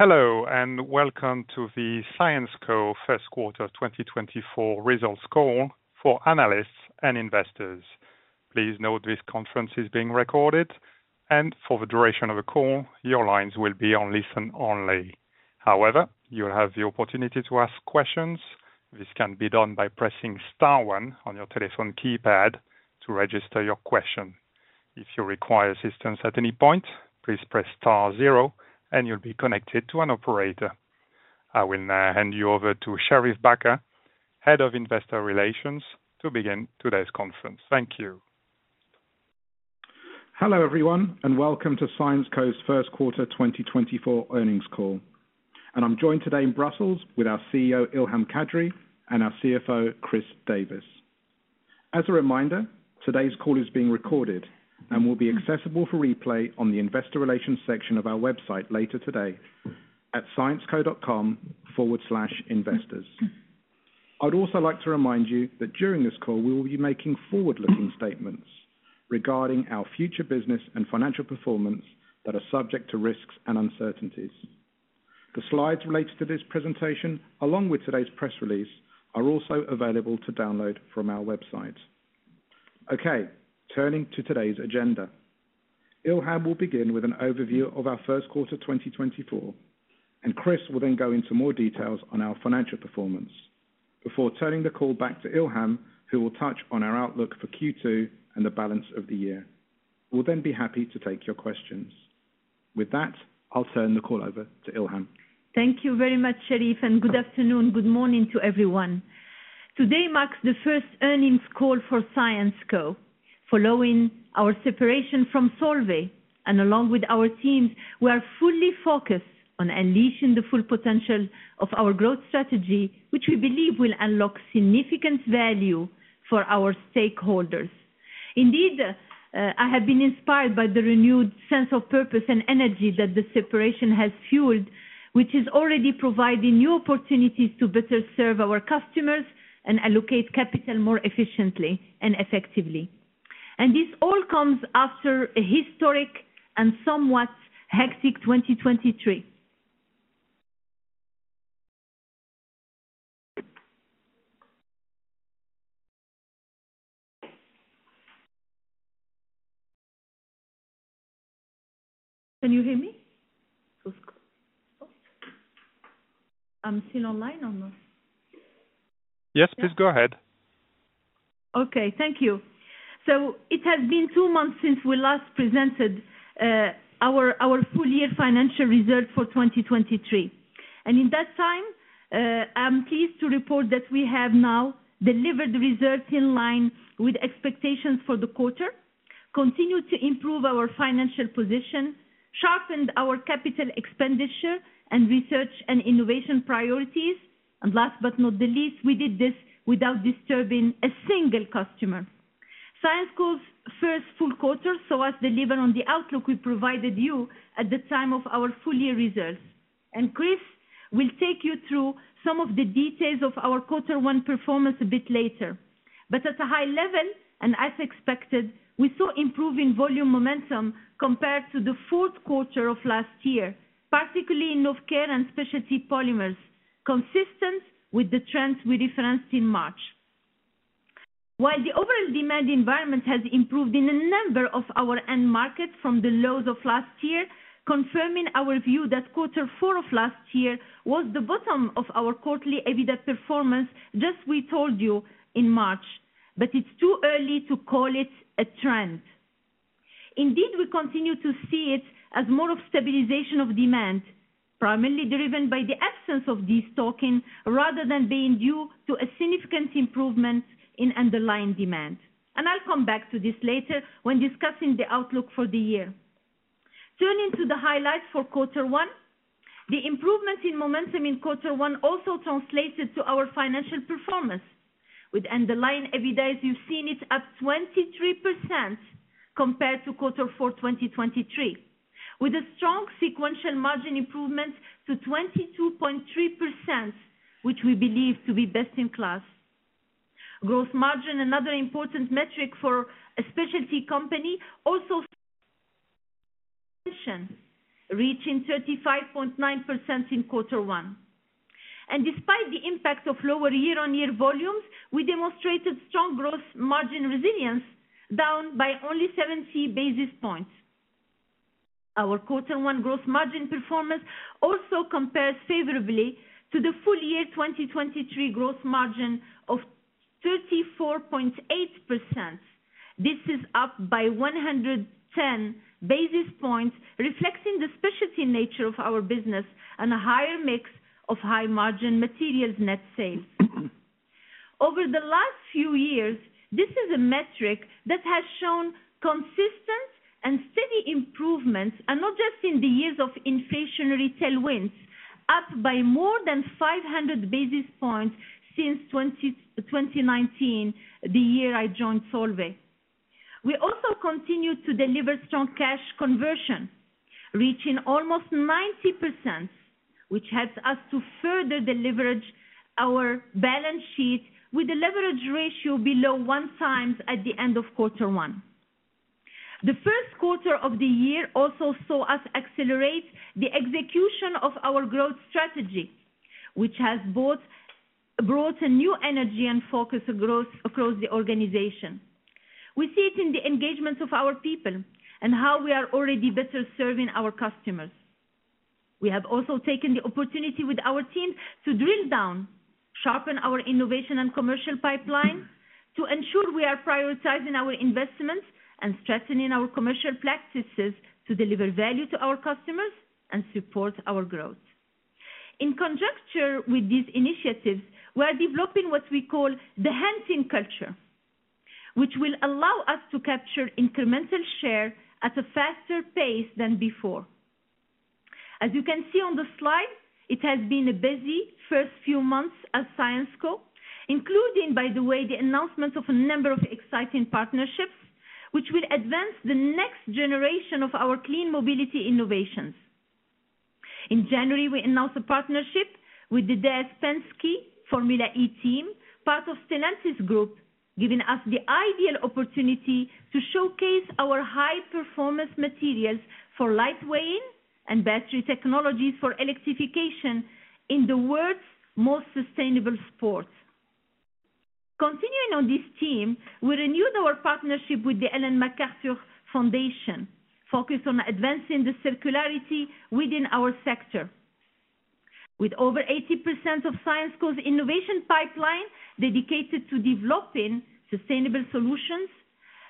Hello, and welcome to the Syensqo First Quarter 2024 Results Call for analysts and investors. Please note this conference is being recorded, and for the duration of the call, your lines will be on listen only. However, you'll have the opportunity to ask questions. This can be done by pressing star one on your telephone keypad to register your question. If you require assistance at any point, please press star zero and you'll be connected to an operator. I will now hand you over to Sherief Bakr, Head of Investor Relations, to begin today's conference. Thank you. Hello, everyone, and welcome to Syensqo's First Quarter 2024 earnings call. I'm joined today in Brussels with our CEO, Ilham Kadri, and our CFO, Christopher Davis. As a reminder, today's call is being recorded and will be accessible for replay on the investor relations section of our website later today at syensqo.com/investors. I'd also like to remind you that during this call, we will be making forward-looking statements regarding our future business and financial performance that are subject to risks and uncertainties. The slides related to this presentation, along with today's press release, are also available to download from our website. Okay, turning to today's agenda. Ilham will begin with an overview of our first quarter 2024, and Chris will then go into more details on our financial performance before turning the call back to Ilham, who will touch on our outlook for Q2 and the balance of the year. We'll then be happy to take your questions. With that, I'll turn the call over to Ilham. Thank you very much, Sherief, and good afternoon, good morning to everyone. Today marks the first earnings call for Syensqo. Following our separation from Solvay and along with our teams, we are fully focused on unleashing the full potential of our growth strategy, which we believe will unlock significant value for our stakeholders. Indeed, I have been inspired by the renewed sense of purpose and energy that the separation has fueled, which is already providing new opportunities to better serve our customers and allocate capital more efficiently and effectively. This all comes after a historic and somewhat hectic 2023. Can you hear me? I'm still online or not? Yes, please go ahead. Okay. Thank you. So it has been two months since we last presented our full year financial results for 2023. And in that time, I'm pleased to report that we have now delivered results in line with expectations for the quarter, continued to improve our financial position, sharpened our capital expenditure and research and innovation priorities. And last but not the least, we did this without disturbing a single customer. Syensqo's first full quarter saw us deliver on the outlook we provided you at the time of our full year results. And Chris will take you through some of the details of our quarter one performance a bit later. But at a high level, and as expected, we saw improving volume momentum compared to the fourth quarter of last year, particularly in health care and specialty polymers, consistent with the trends we referenced in March. While the overall demand environment has improved in a number of our end markets from the lows of last year, confirming our view that quarter four of last year was the bottom of our quarterly EBITDA performance, just as we told you in March, but it's too early to call it a trend. Indeed, we continue to see it as more of a stabilization of demand, primarily driven by the absence of destocking rather than being due to a significant improvement in underlying demand. And I'll come back to this later when discussing the outlook for the year. Turning to the highlights for quarter one. The improvements in momentum in quarter one also translated to our financial performance with underlying EBITDA, as you've seen it, up 23% compared to quarter four, 2023, with a strong sequential margin improvement to 22.3%, which we believe to be best-in-class. Growth margin, another important metric for a specialty company, also reaching 35.9% in quarter one. And despite the impact of lower year-on-year volumes, we demonstrated strong gross margin resilience, down by only 70 basis points. Our quarter one growth margin performance also compares favorably to the full year 2023 growth margin of 34.8%. This is up by 110 basis points, reflecting the specialty nature of our business and a higher mix of high margin materials net sales. Over the last few years, this is a metric that has shown consistent and steady improvements, and not just in the years of inflationary tailwinds, up by more than 500 basis points since 2019, the year I joined Solvay. We also continued to deliver strong cash conversion, reaching almost 90%, which helps us to further deleverage our balance sheet with a leverage ratio below 1x at the end of quarter one. The first quarter of the year also saw us accelerate the execution of our growth strategy, which has both brought a new energy and focus of growth across the organization. We see it in the engagements of our people and how we are already better serving our customers. We have also taken the opportunity with our team to drill down, sharpen our innovation and commercial pipeline, to ensure we are prioritizing our investments, and strengthening our commercial practices to deliver value to our customers and support our growth. In conjunction with these initiatives, we are developing what we call the hunting culture, which will allow us to capture incremental share at a faster pace than before. As you can see on the slide, it has been a busy first few months at Syensqo, including, by the way, the announcement of a number of exciting partnerships, which will advance the next generation of our clean mobility innovations. In January, we announced a partnership with the DS PENSKE Formula E team, part of Stellantis Group, giving us the ideal opportunity to showcase our high-performance materials for lightweight and battery technologies for electrification in the world's most sustainable sport. Continuing on this team, we renewed our partnership with the Ellen MacArthur Foundation, focused on advancing the circularity within our sector. With over 80% of Syensqo's innovation pipeline dedicated to developing sustainable solutions,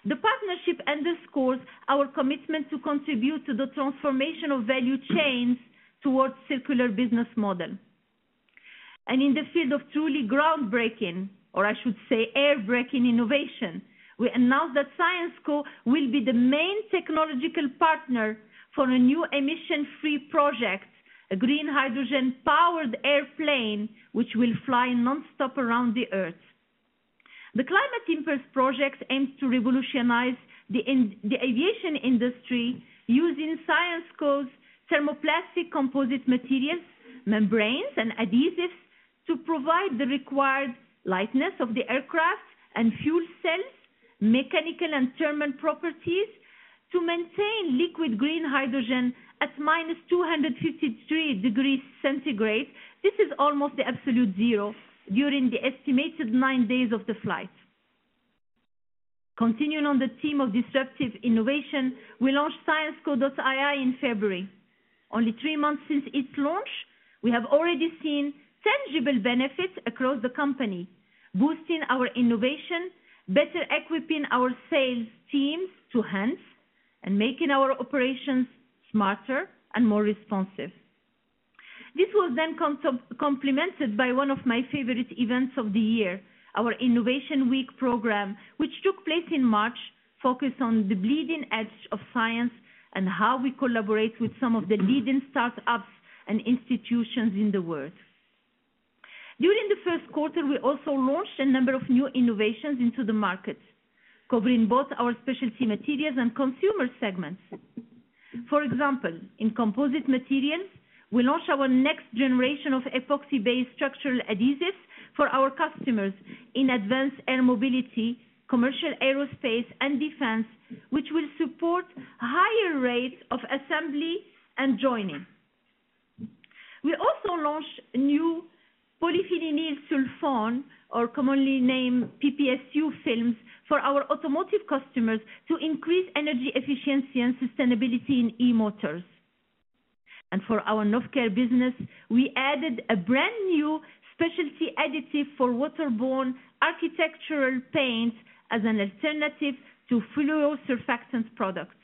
the partnership underscores our commitment to contribute to the transformational value chains towards circular business model. In the field of truly groundbreaking, or I should say, air-breaking innovation, we announced that Syensqo will be the main technological partner for a new emulsion-free project, a green hydrogen-powered airplane, which will fly nonstop around the Earth. The Climate Impulse project aims to revolutionize the aviation industry, using Syensqo's thermoplastic composite materials, membranes, and adhesives to provide the required lightness of the aircraft and fuel cells, mechanical and thermal properties to maintain liquid green hydrogen at -253 degrees Centigrade. This is almost the absolute zero during the estimated nine days of the flight. Continuing on the theme of disruptive innovation, we launched Syensqo.ai in February. Only three months since its launch, we have already seen tangible benefits across the company, boosting our innovation, better equipping our sales teams to hunt, and making our operations smarter and more responsive. This was then complemented by one of my favorite events of the year, our Innovation Week program, which took place in March, focused on the bleeding edge of science and how we collaborate with some of the leading start-ups and institutions in the world. During the first quarter, we also launched a number of new innovations into the market, covering both our specialty materials and consumer segments. For example, in composite materials, we launched our next generation of epoxy-based structural adhesives for our customers in advanced air mobility, commercial aerospace, and defense, which will support higher rates of assembly and joining. We also launched new Polyphenylsulfone, or commonly named PPSU films, for our automotive customers to increase energy efficiency and sustainability in e-motors. And for our Novecare business, we added a brand-new specialty additive for waterborne architectural paint as an alternative to fluorosurfactant products.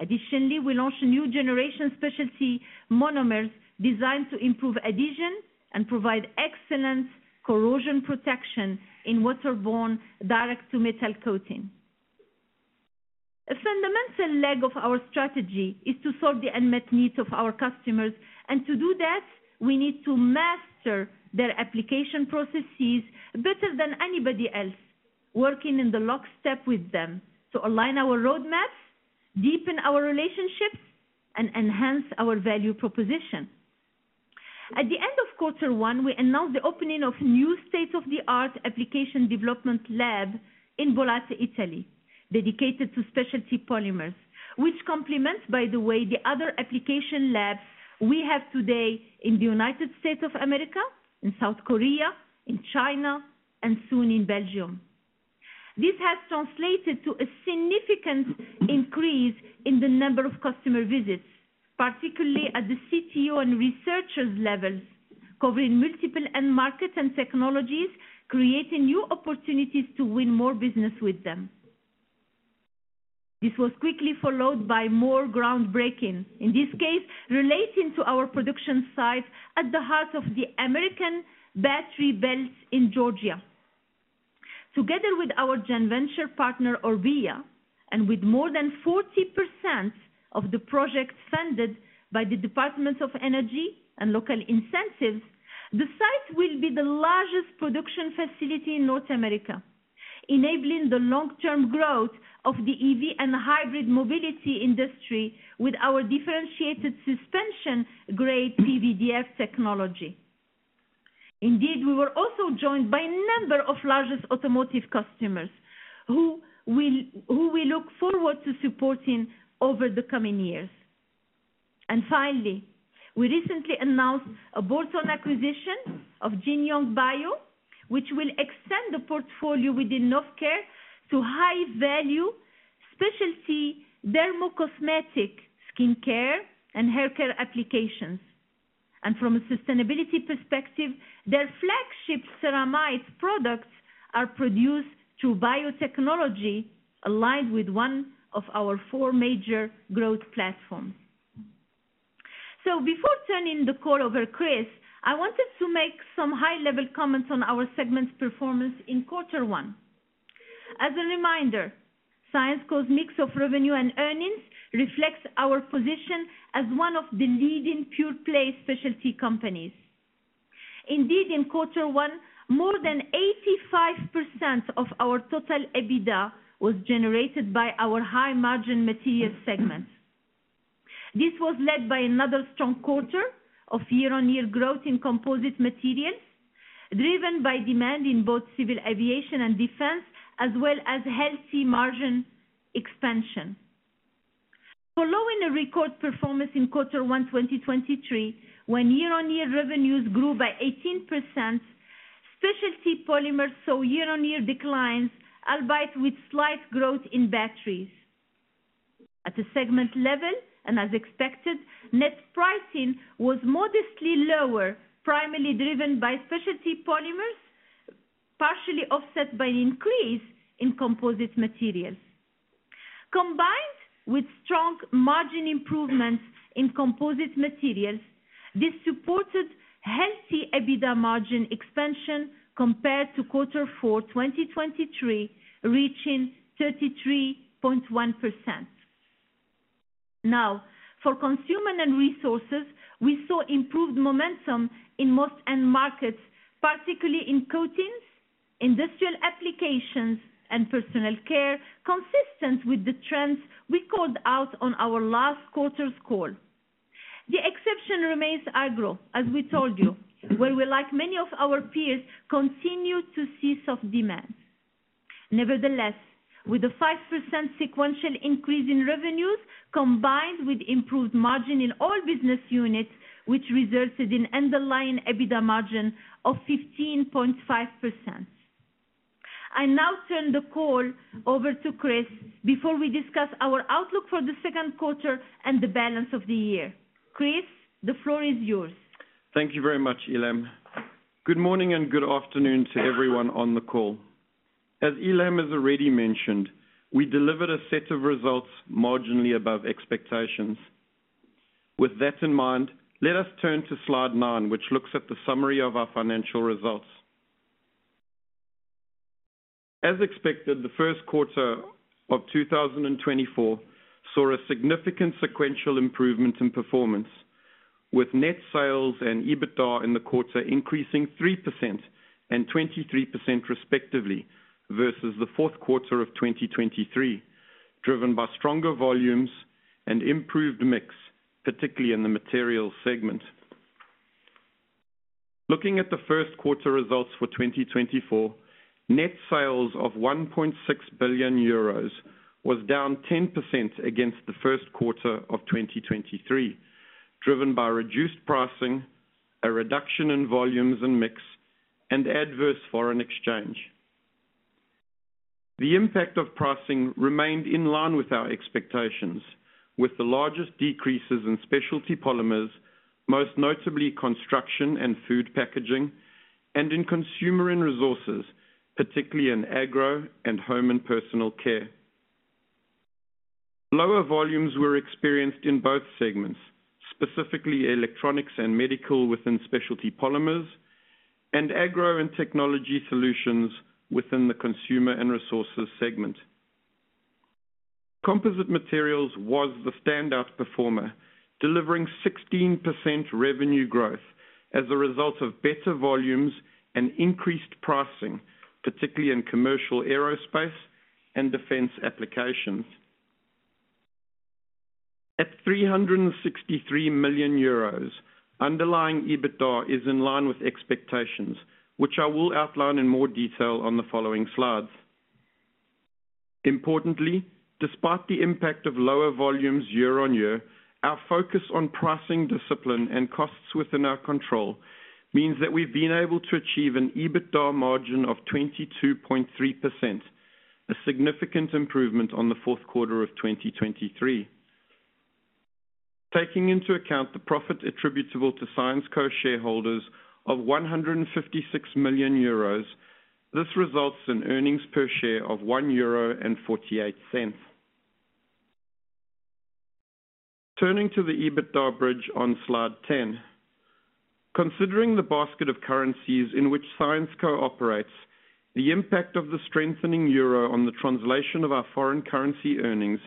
Additionally, we launched a new generation specialty monomers designed to improve adhesion and provide excellent corrosion protection in waterborne direct-to-metal coating. A fundamental leg of our strategy is to solve the unmet needs of our customers, and to do that, we need to master their application processes better than anybody else, working in the lockstep with them to align our roadmaps, deepen our relationships, and enhance our value proposition. At the end of quarter one, we announced the opening of new state-of-the-art application development lab in Bollate, Italy, dedicated to specialty polymers, which complements, by the way, the other application labs we have today in the United States of America, in South Korea, in China, and soon in Belgium. This has translated to a significant increase in the number of customer visits, particularly at the CTO and researchers levels, covering multiple end markets and technologies, creating new opportunities to win more business with them. This was quickly followed by more groundbreaking, in this case, relating to our production site at the heart of the American battery belt in Georgia. Together with our joint venture partner, Orbia, and with more than 40% of the project funded by the Department of Energy and local incentives, the site will be the largest production facility in North America, enabling the long-term growth of the EV and hybrid mobility industry with our differentiated suspension-grade PVDF technology. Indeed, we were also joined by a number of largest automotive customers, who we, who we look forward to supporting over the coming years. And finally, we recently announced a bolt-on acquisition of Jin Young Bio, which will extend the portfolio within Novecare to high value specialty dermocosmetic skincare and haircare applications. And from a sustainability perspective, their flagship ceramide products are produced through biotechnology, aligned with one of our four major growth platforms. So before turning the call over to Chris, I wanted to make some high-level comments on our segment's performance in quarter one. As a reminder, Syensqo's mix of revenue and earnings reflects our position as one of the leading pure-play specialty companies. Indeed, in quarter one, more than 85% of our total EBITDA was generated by our high margin materials segment. This was led by another strong quarter of year-on-year growth in composite materials, driven by demand in both civil aviation and defense, as well as healthy margin expansion. Following a record performance in quarter one, 2023, when year-on-year revenues grew by 18%, specialty polymers saw year-on-year declines, albeit with slight growth in batteries. At a segment level, and as expected, net pricing was modestly lower, primarily driven by specialty polymers, partially offset by an increase in composite materials. Combined with strong margin improvements in composite materials, this supported healthy EBITDA margin expansion compared to quarter four, 2023, reaching 33.1%. Now, for consumer and resources, we saw improved momentum in most end markets, particularly in coatings, industrial applications, and personal care, consistent with the trends we called out on our last quarter's call. The exception remains agro, as we told you, where we, like many of our peers, continue to see soft demand. Nevertheless, with a 5% sequential increase in revenues, combined with improved margin in all business units, which resulted in underlying EBITDA margin of 15.5%. I now turn the call over to Chris before we discuss our outlook for the second quarter and the balance of the year. Chris, the floor is yours. Thank you very much, Ilham. Good morning and good afternoon to everyone on the call. As Ilham has already mentioned, we delivered a set of results marginally above expectations. With that in mind, let us turn to slide nine, which looks at the summary of our financial results. As expected, the first quarter of 2024 saw a significant sequential improvement in performance, with net sales and EBITDA in the quarter increasing 3% and 23% respectively, vs the fourth quarter of 2023, driven by stronger volumes and improved mix, particularly in the materials segment. Looking at the first quarter results for 2024, net sales of 1.6 billion euros was down 10% against the first quarter of 2023, driven by reduced pricing, a reduction in volumes and mix, and adverse foreign exchange. The impact of pricing remained in line with our expectations, with the largest decreases in specialty polymers, most notably construction and food packaging, and in consumer and resources, particularly in agro and home and personal care. Lower volumes were experienced in both segments, specifically electronics and medical within specialty polymers, and agro and technology solutions within the consumer and resources segment. Composite materials was the standout performer, delivering 16% revenue growth as a result of better volumes and increased pricing, particularly in commercial aerospace and defense applications. At 363 million euros, underlying EBITDA is in line with expectations, which I will outline in more detail on the following slides. Importantly, despite the impact of lower volumes year-on-year, our focus on pricing discipline and costs within our control means that we've been able to achieve an EBITDA margin of 22.3%, a significant improvement on the fourth quarter of 2023. Taking into account the profit attributable to Syensqo shareholders of 156 million euros, this results in earnings per share of 1.48 euro. Turning to the EBITDA bridge on slide 10. Considering the basket of currencies in which Syensqo operates, the impact of the strengthening euro on the translation of our foreign currency earnings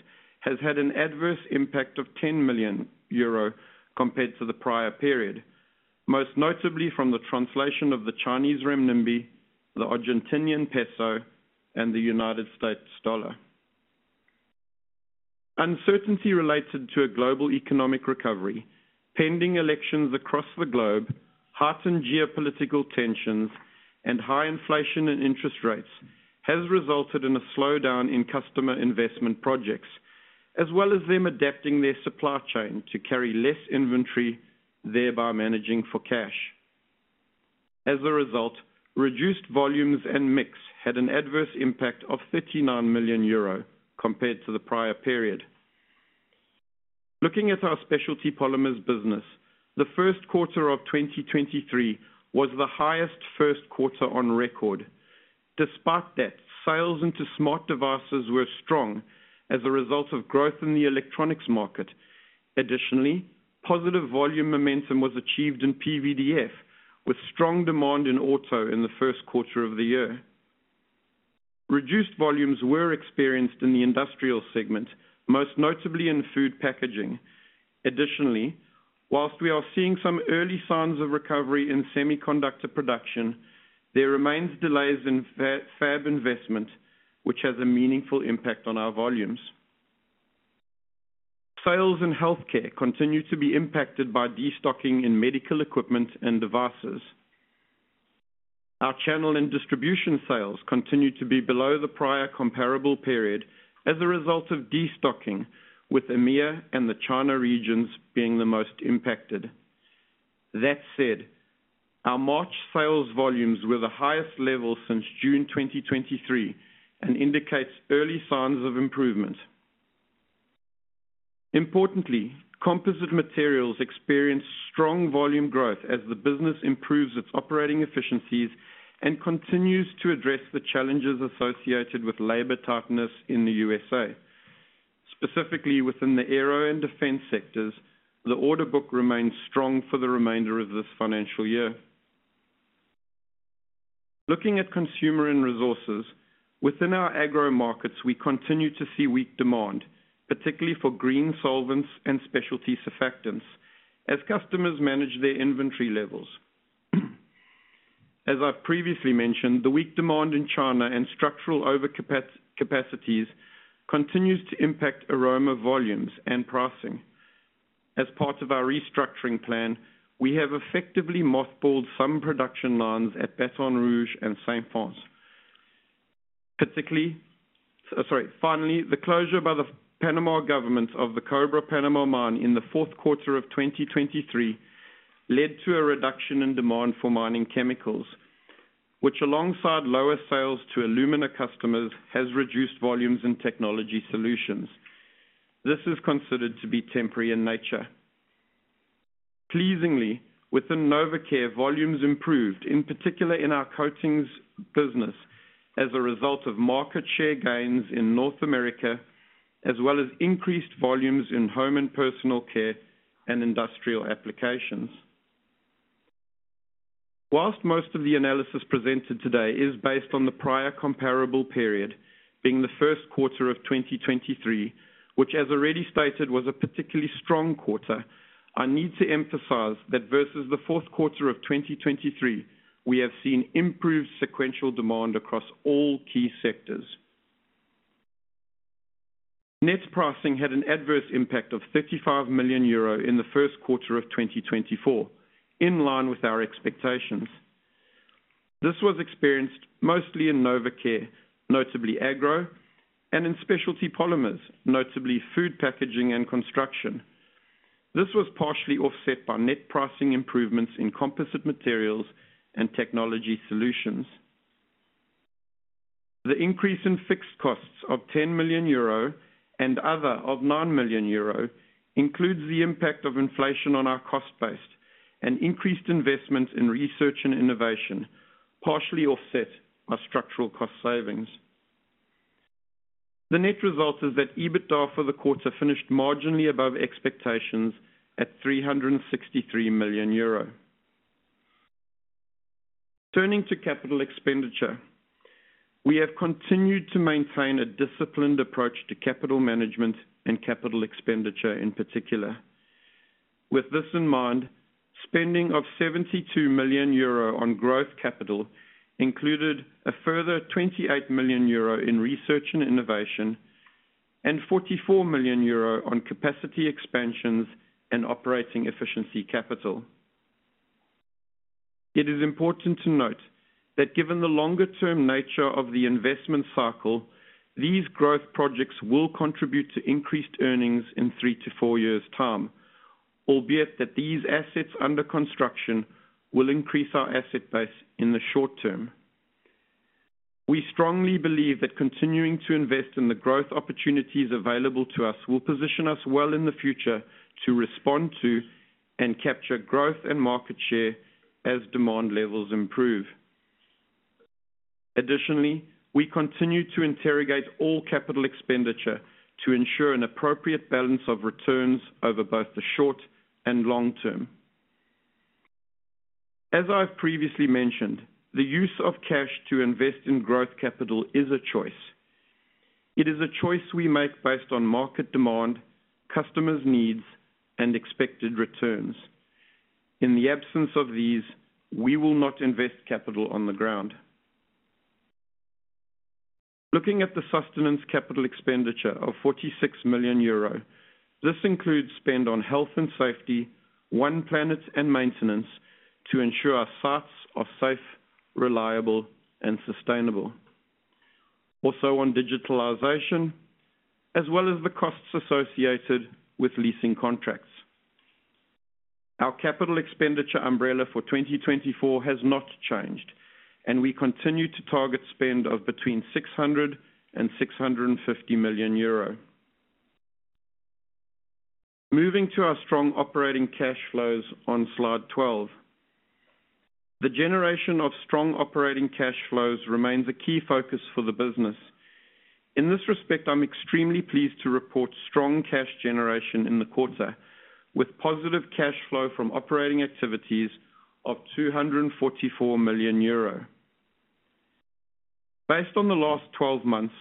has had an adverse impact of 10 million euro compared to the prior period, most notably from the translation of the Chinese renminbi, the Argentinian peso, and the United States dollar. Uncertainty related to a global economic recovery, pending elections across the globe, heightened geopolitical tensions, and high inflation and interest rates, has resulted in a slowdown in customer investment projects, as well as them adapting their supply chain to carry less inventory, thereby managing for cash. As a result, reduced volumes and mix had an adverse impact of 39 million euro compared to the prior period. Looking at our specialty polymers business, the first quarter of 2023 was the highest first quarter on record. Despite that, sales into smart devices were strong as a result of growth in the electronics market. Additionally, positive volume momentum was achieved in PVDF, with strong demand in auto in the first quarter of the year. Reduced volumes were experienced in the industrial segment, most notably in food packaging. Additionally, while we are seeing some early signs of recovery in semiconductor production, there remains delays in fab investment, which has a meaningful impact on our volumes. Sales in healthcare continue to be impacted by destocking in medical equipment and devices. Our channel and distribution sales continue to be below the prior comparable period as a result of destocking, with EMEA and the China regions being the most impacted. That said, our March sales volumes were the highest level since June 2023 and indicates early signs of improvement. Importantly, composite materials experienced strong volume growth as the business improves its operating efficiencies and continues to address the challenges associated with labor tightness in the USA. Specifically, within the aero and defense sectors, the order book remains strong for the remainder of this financial year. Looking at consumer and resources, within our agro markets, we continue to see weak demand, particularly for green solvents and specialty surfactants, as customers manage their inventory levels. As I've previously mentioned, the weak demand in China and structural overcapacities continues to impact aroma volumes and pricing. As part of our restructuring plan, we have effectively mothballed some production lines at Baton Rouge and Saint-Fons. Finally, the closure by the Panama government of the Cobre Panamá mine in the fourth quarter of 2023 led to a reduction in demand for mining chemicals, which, alongside lower sales to alumina customers, has reduced volumes in technology solutions. This is considered to be temporary in nature. Pleasingly, within Novecare, volumes improved, in particular in our coatings business, as a result of market share gains in North America, as well as increased volumes in home and personal care and industrial applications. While most of the analysis presented today is based on the prior comparable period, being the first quarter of 2023, which, as already stated, was a particularly strong quarter, I need to emphasize that vs the fourth quarter of 2023, we have seen improved sequential demand across all key sectors. Net pricing had an adverse impact of 55 million euro in the first quarter of 2024, in line with our expectations. This was experienced mostly in Novecare, notably agro, and in specialty polymers, notably food packaging and construction. This was partially offset by net pricing improvements in composite materials and technology solutions. The increase in fixed costs of 10 million euro and other of 9 million euro includes the impact of inflation on our cost base and increased investments in research and innovation, partially offset by structural cost savings. The net result is that EBITDA for the quarter finished marginally above expectations at 363 million euro. Turning to capital expenditure, we have continued to maintain a disciplined approach to capital management and capital expenditure in particular. With this in mind, spending of 72 million euro on growth capital included a further 28 million euro in research and innovation, and 44 million euro on capacity expansions and operating efficiency capital. It is important to note that given the longer-term nature of the investment cycle, these growth projects will contribute to increased earnings in three-four years time, albeit that these assets under construction will increase our asset base in the short term. We strongly believe that continuing to invest in the growth opportunities available to us will position us well in the future to respond to and capture growth and market share as demand levels improve. Additionally, we continue to interrogate all capital expenditure to ensure an appropriate balance of returns over both the short and long term. As I've previously mentioned, the use of cash to invest in growth capital is a choice. It is a choice we make based on market demand, customers' needs, and expected returns. In the absence of these, we will not invest capital on the ground. Looking at the sustenance capital expenditure of 46 million euro, this includes spend on health and safety, one planet and maintenance to ensure our sites are safe, reliable and sustainable. Also on digitalization, as well as the costs associated with leasing contracts. Our capital expenditure umbrella for 2024 has not changed, and we continue to target spend of between 600 million euro and 650 million euro. Moving to our strong operating cash flows on slide 12. The generation of strong operating cash flows remains a key focus for the business. In this respect, I'm extremely pleased to report strong cash generation in the quarter, with positive cash flow from operating activities of 244 million euro. Based on the last 12 months,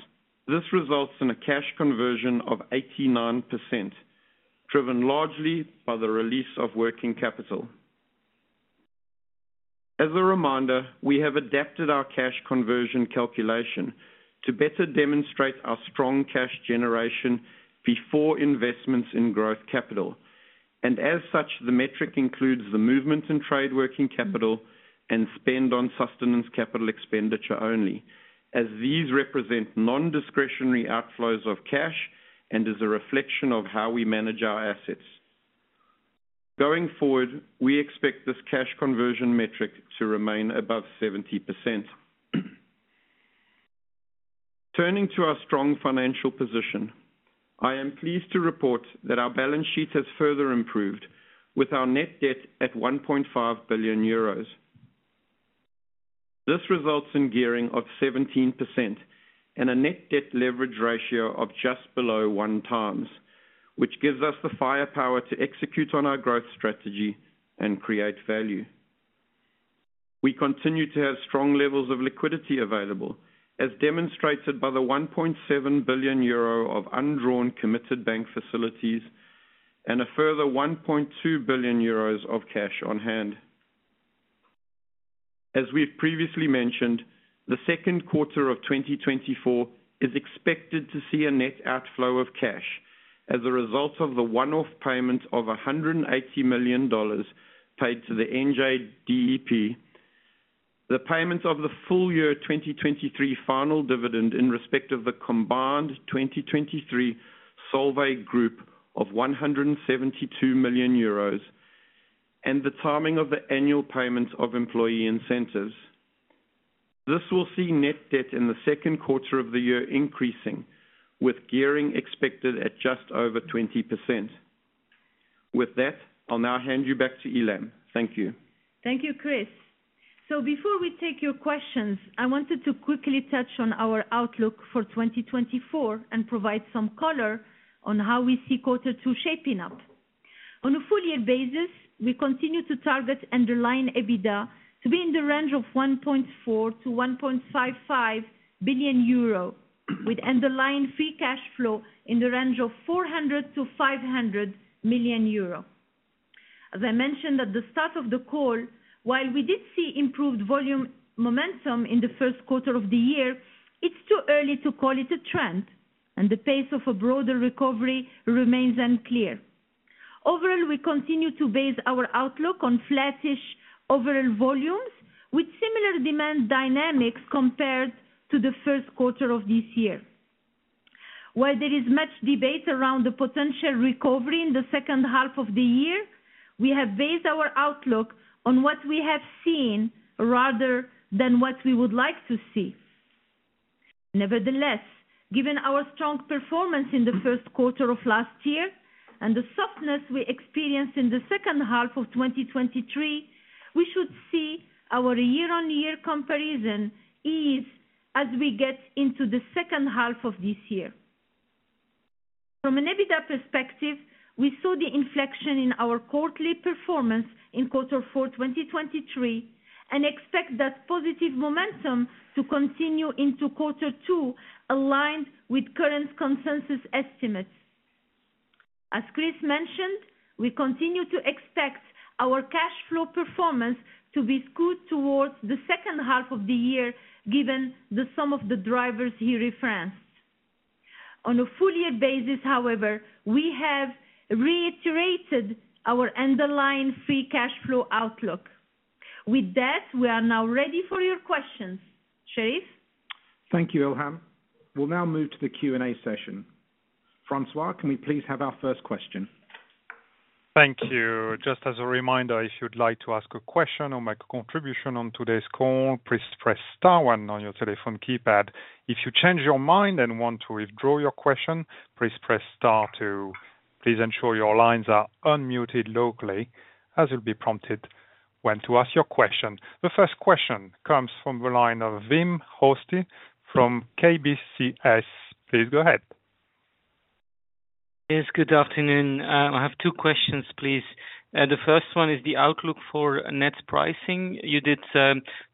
this results in a cash conversion of 89%, driven largely by the release of working capital. As a reminder, we have adapted our cash conversion calculation to better demonstrate our strong cash generation before investments in growth capital. As such, the metric includes the movements in trade working capital and spend on sustenance capital expenditure only, as these represent non-discretionary outflows of cash and is a reflection of how we manage our assets. Going forward, we expect this cash conversion metric to remain above 70%. Turning to our strong financial position, I am pleased to report that our balance sheet has further improved, with our net debt at 1.5 billion euros. This results in gearing of 17% and a net debt leverage ratio of just below 1x, which gives us the firepower to execute on our growth strategy and create value. We continue to have strong levels of liquidity available, as demonstrated by 1.7 billion euro of undrawn committed bank facilities and a further 1.2 billion euros of cash on hand. As we've previously mentioned, the second quarter of 2024 is expected to see a net outflow of cash as a result of the one-off payment of $180 million to the NJDEP, the payment of the full year 2023 final dividend in respect of the combined 2023 Solvay Group of 172 million euros, and the timing of the annual payments of employee incentives. This will see net debt in the second quarter of the year increasing, with gearing expected at just over 20%. With that, I'll now hand you back to Ilham. Thank you. Thank you, Chris. So before we take your questions, I wanted to quickly touch on our outlook for 2024 and provide some color on how we see quarter two shaping up. On a full year basis, we continue to target underlying EBITDA to be in the range of 1.4 billion-1.55 billion euro, with underlying free cash flow in the range of 400 million-500 million euro. As I mentioned at the start of the call, while we did see improved volume momentum in the first quarter of the year, it's too early to call it a trend, and the pace of a broader recovery remains unclear. Overall, we continue to base our outlook on flattish overall volumes with similar demand dynamics compared to the first quarter of this year. While there is much debate around the potential recovery in the second half of the year, we have based our outlook on what we have seen rather than what we would like to see. Nevertheless, given our strong performance in the first quarter of last year and the softness we experienced in the second half of 2023, we should see our year-on-year comparison ease as we get into the second half of this year. From an EBITDA perspective, we saw the inflection in our quarterly performance in quarter four, 2023, and expect that positive momentum to continue into quarter two, aligned with current consensus estimates. As Chris mentioned, we continue to expect our cash flow performance to be skewed towards the second half of the year, given the sum of the drivers he referenced. On a full year basis, however, we have reiterated our underlying free cash flow outlook. With that, we are now ready for your questions. Sherief? Thank you, Ilham. We'll now move to the Q&A session. Francois, can we please have our first question? Thank you. Just as a reminder, if you'd like to ask a question or make a contribution on today's call, please press star one on your telephone keypad. If you change your mind and want to withdraw your question, please press star two. Please ensure your lines are unmuted locally as you'll be prompted when to ask your question. The first question comes from the line of Wim Hoste from KBC Securities. Please go ahead. Yes, good afternoon. I have two questions, please. The first one is the outlook for net pricing. You did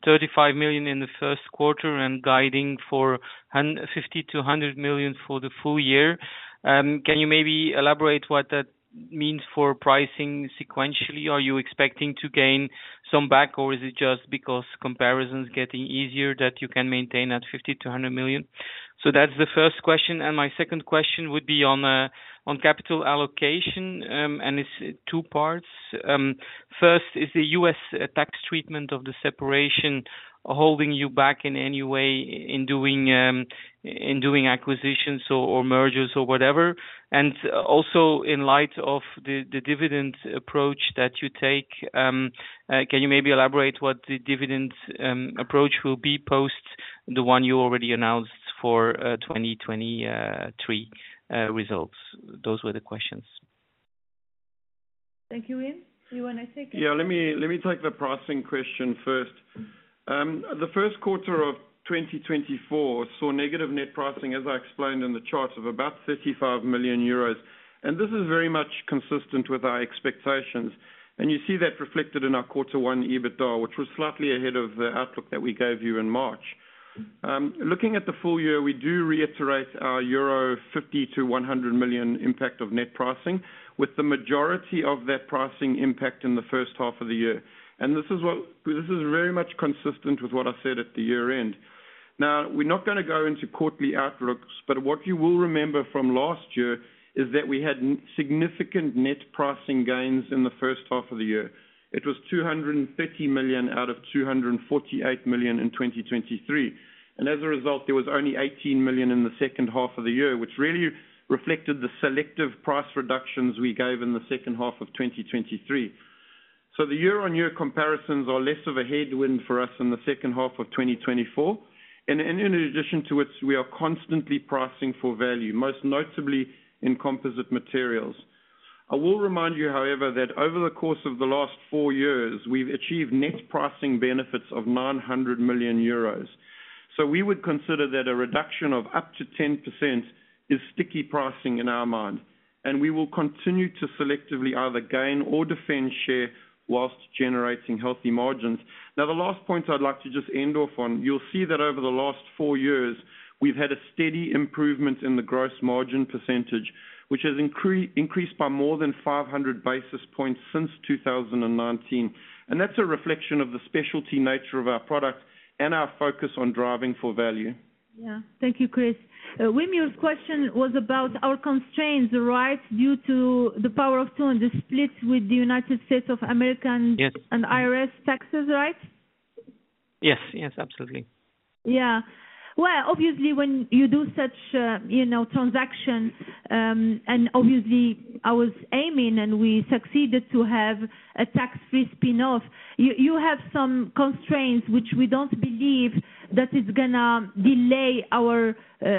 35 million in the first quarter and guiding for 50 million-100 million for the full year. Can you maybe elaborate what that means for pricing sequentially, are you expecting to gain some back, or is it just because comparison's getting easier that you can maintain that 50 million-100 million? So that's the first question, and my second question would be on on capital allocation. And it's two parts. First, is the U.S. tax treatment of the separation holding you back in any way in doing in doing acquisitions or or mergers or whatever? And also, in light of the dividend approach that you take, can you maybe elaborate what the dividend approach will be post the one you already announced for 2023 results? Those were the questions. Thank you, Wim. You want to take it? Yeah. Let me, let me take the pricing question first. The first quarter of 2024 saw negative net pricing, as I explained in the charts, of about 35 million euros, and this is very much consistent with our expectations. And you see that reflected in our quarter one EBITDA, which was slightly ahead of the outlook that we gave you in March. Looking at the full year, we do reiterate our 50-100 million euro impact of net pricing, with the majority of that pricing impact in the first half of the year. This is very much consistent with what I said at the year-end. Now, we're not gonna go into quarterly outlooks, but what you will remember from last year is that we had significant net pricing gains in the first half of the year. It was 230 million out of 248 million in 2023, and as a result, there was only 18 million in the second half of the year, which really reflected the selective price reductions we gave in the second half of 2023. So the year-on-year comparisons are less of a headwind for us in the second half of 2024, and, and in addition to which, we are constantly pricing for value, most notably in composite materials. I will remind you, however, that over the course of the last four years, we've achieved net pricing benefits of 900 million euros. So we would consider that a reduction of up to 10% is sticky pricing in our mind, and we will continue to selectively either gain or defend share while generating healthy margins. Now, the last point I'd like to just end off on, you'll see that over the last four years, we've had a steady improvement in the gross margin percentage, which has increased by more than 500 basis points since 2019. And that's a reflection of the specialty nature of our products and our focus on driving for value. Yeah. Thank you, Chris. Wim, your question was about our constraints, right? Due to the power of two and the split with the United States of America and. Yes. And IRS taxes, right? Yes. Yes, absolutely. Yeah. Well, obviously, when you do such, you know, transaction, and obviously I was aiming, and we succeeded to have a tax-free spin-off. You, you have some constraints which we don't believe that it's gonna delay our,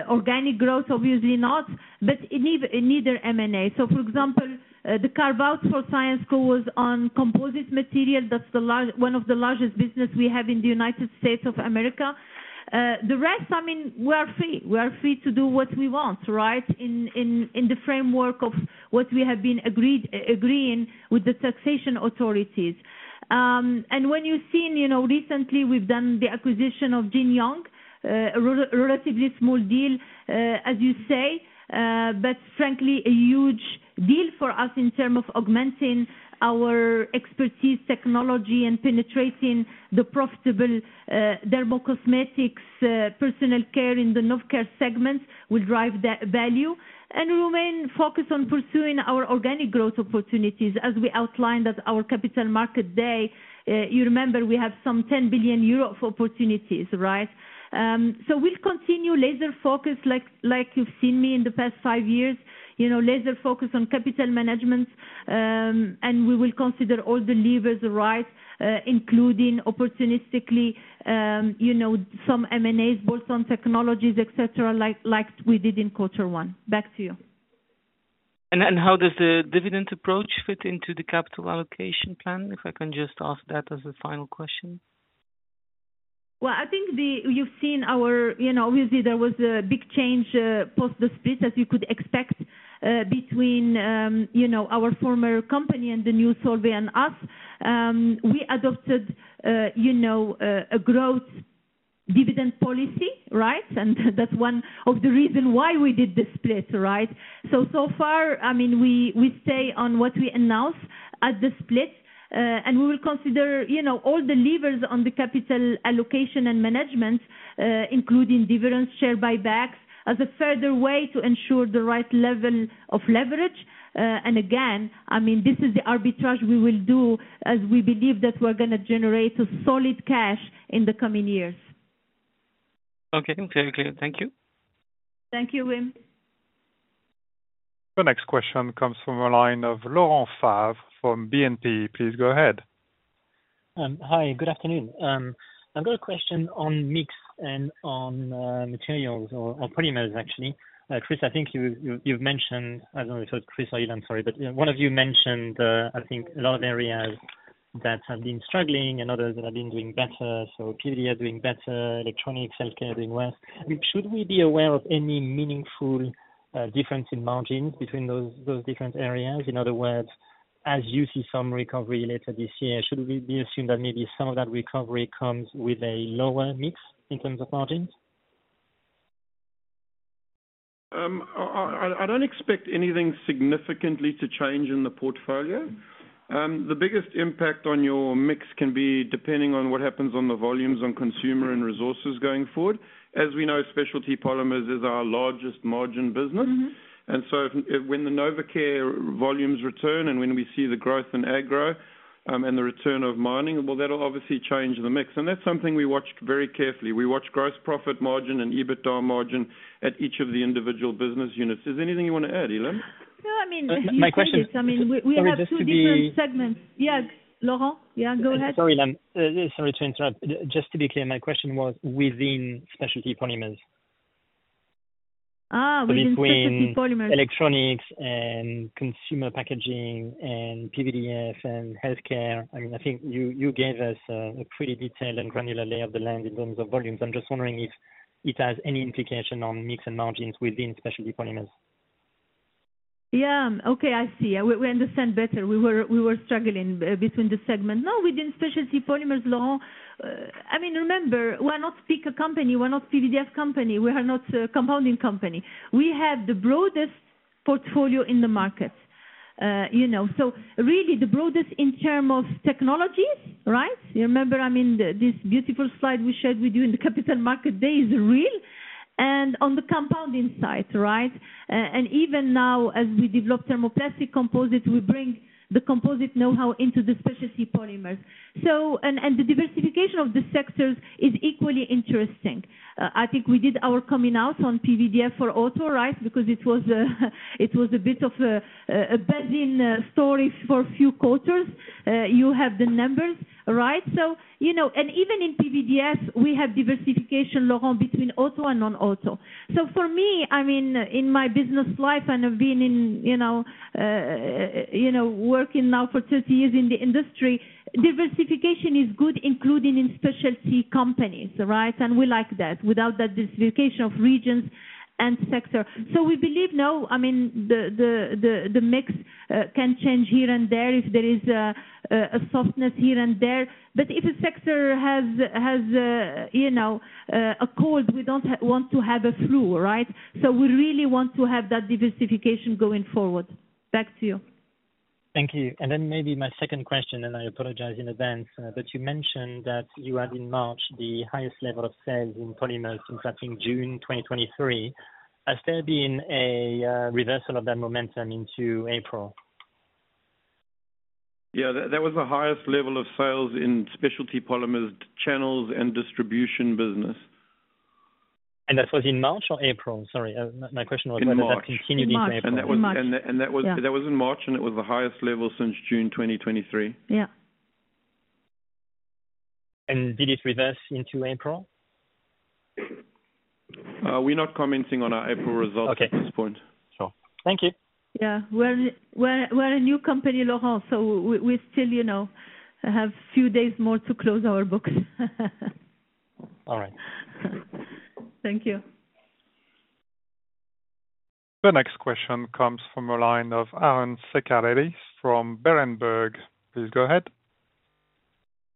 organic growth, obviously not, but in either M&A. So for example, the carve-out for Syensqo was on composite materials. That's the large. One of the largest business we have in the United States of America. The rest, I mean, we are free, we are free to do what we want, right? In, in, in the framework of what we have been agreed, agreeing with the taxation authorities. And when you've seen, you know, recently we've done the acquisition of Jin Young, a relatively small deal, as you say, but frankly, a huge deal for us in terms of augmenting our expertise, technology and penetrating the profitable, dermacosmetics, personal care in the hair care segment will drive the value. And we remain focused on pursuing our organic growth opportunities as we outlined at our capital market day. You remember we have some 10 billion euro of opportunities, right? So we'll continue laser focused, like, like you've seen me in the past five years, you know, laser focus on capital management, and we will consider all the levers arise, including opportunistically, you know, some M&As, both on technologies, et cetera, like, like we did in quarter one. Back to you. How does the dividend approach fit into the capital allocation plan? If I can just ask that as a final question. Well, I think you've seen our. You know, obviously there was a big change post the split, as you could expect, between you know, our former company and the new Solvay and us. We adopted you know, a growth dividend policy, right? And that's one of the reason why we did the split, right? So far, I mean, we stay on what we announced at the split, and we will consider you know, all the levers on the capital allocation and management, including dividends, share buybacks, as a further way to ensure the right level of leverage. And again, I mean, this is the arbitrage we will do as we believe that we're gonna generate a solid cash in the coming years. Okay. Clear. Clear. Thank you. Thank you, Wim. The next question comes from the line of Laurent Favre from BNP. Please go ahead. Hi, good afternoon. I've got a question on mix and on materials or polymers, actually. Chris, I think you've mentioned, I don't know if it was Chris or Ilham, sorry, but one of you mentioned, I think a lot of areas that have been struggling and others that have been doing better. So PDA doing better, electronics, healthcare doing well. Should we be aware of any meaningful difference in margins between those different areas? In other words, as you see some recovery later this year, should we be assumed that maybe some of that recovery comes with a lower mix in terms of margins? I don't expect anything significantly to change in the portfolio. The biggest impact on your mix can be depending on what happens on the volumes on consumer and resources going forward. As we know, specialty polymers is our largest margin business. Mm-hmm. And so if, when the Novecare volumes return and when we see the growth in agro, and the return of mining, well, that'll obviously change the mix. And that's something we watched very carefully. We watch gross profit margin and EBITDA margin at each of the individual business units. Is there anything you want to add, Ilham? No, I mean, My question. I mean, we have two different segments. Yeah, Laurent? Yeah, go ahead. Sorry, Ilham. Sorry to interrupt. Just to be clear, my question was within specialty polymers. Ah, within specialty polymers. Between electronics and consumer packaging and PVDF and healthcare, I mean, I think you, you gave us a pretty detailed and granular lay of the land in terms of volumes. I'm just wondering if it has any implication on mix and margins within specialty polymers? Yeah. Okay, I see. We understand better. We were struggling between the segment. No, within specialty polymers, Laurent, I mean, remember, we're not PEKK company, we're not PVDF company. We are not a compounding company. We have the broadest portfolio in the market. You know, so really the broadest in terms of technologies, right? You remember, I mean, this beautiful slide we shared with you in the Capital Markets Day is real, and on the compounding side, right? And even now as we develop thermoplastic composites, we bring the composite knowhow into the specialty polymers. So, the diversification of the sectors is equally interesting. I think we did our coming out on PVDF for auto, right? Because it was a bit of a buzzing story for a few quarters. You have the numbers, right? So, you know, and even in PVDF, we have diversification, Laurent, between auto and non-auto. So for me, I mean, in my business life, and I've been in, you know, working now for 30 years in the industry, diversification is good, including in specialty companies, right? And we like that. Without that diversification of regions and sector. So we believe, now, I mean, the mix can change here and there if there is a softness here and there. But if a sector has a cold, we don't want to have a flu, right? So we really want to have that diversification going forward. Back to you. Thank you. Maybe my second question, and I apologize in advance, but you mentioned that you had in March, the highest level of sales in polymers since, I think, June 2023. Has there been a reversal of that momentum into April? Yeah, that was the highest level of sales in specialty polymers channels and distribution business. That was in March or April? Sorry, my question was. In March. Whether that continued in April. In March. And that was. In March. And that was. Yeah. That was in March, and it was the highest level since June 2023. Yeah. Did it reverse into April? We're not commenting on our April results. Okay. At this point. Sure. Thank you. Yeah. We're a new company, Laurent, so we still, you know, have few days more to close our books. All right. Thank you. The next question comes from the line of Aron Ceccarelli from Berenberg. Please, go ahead.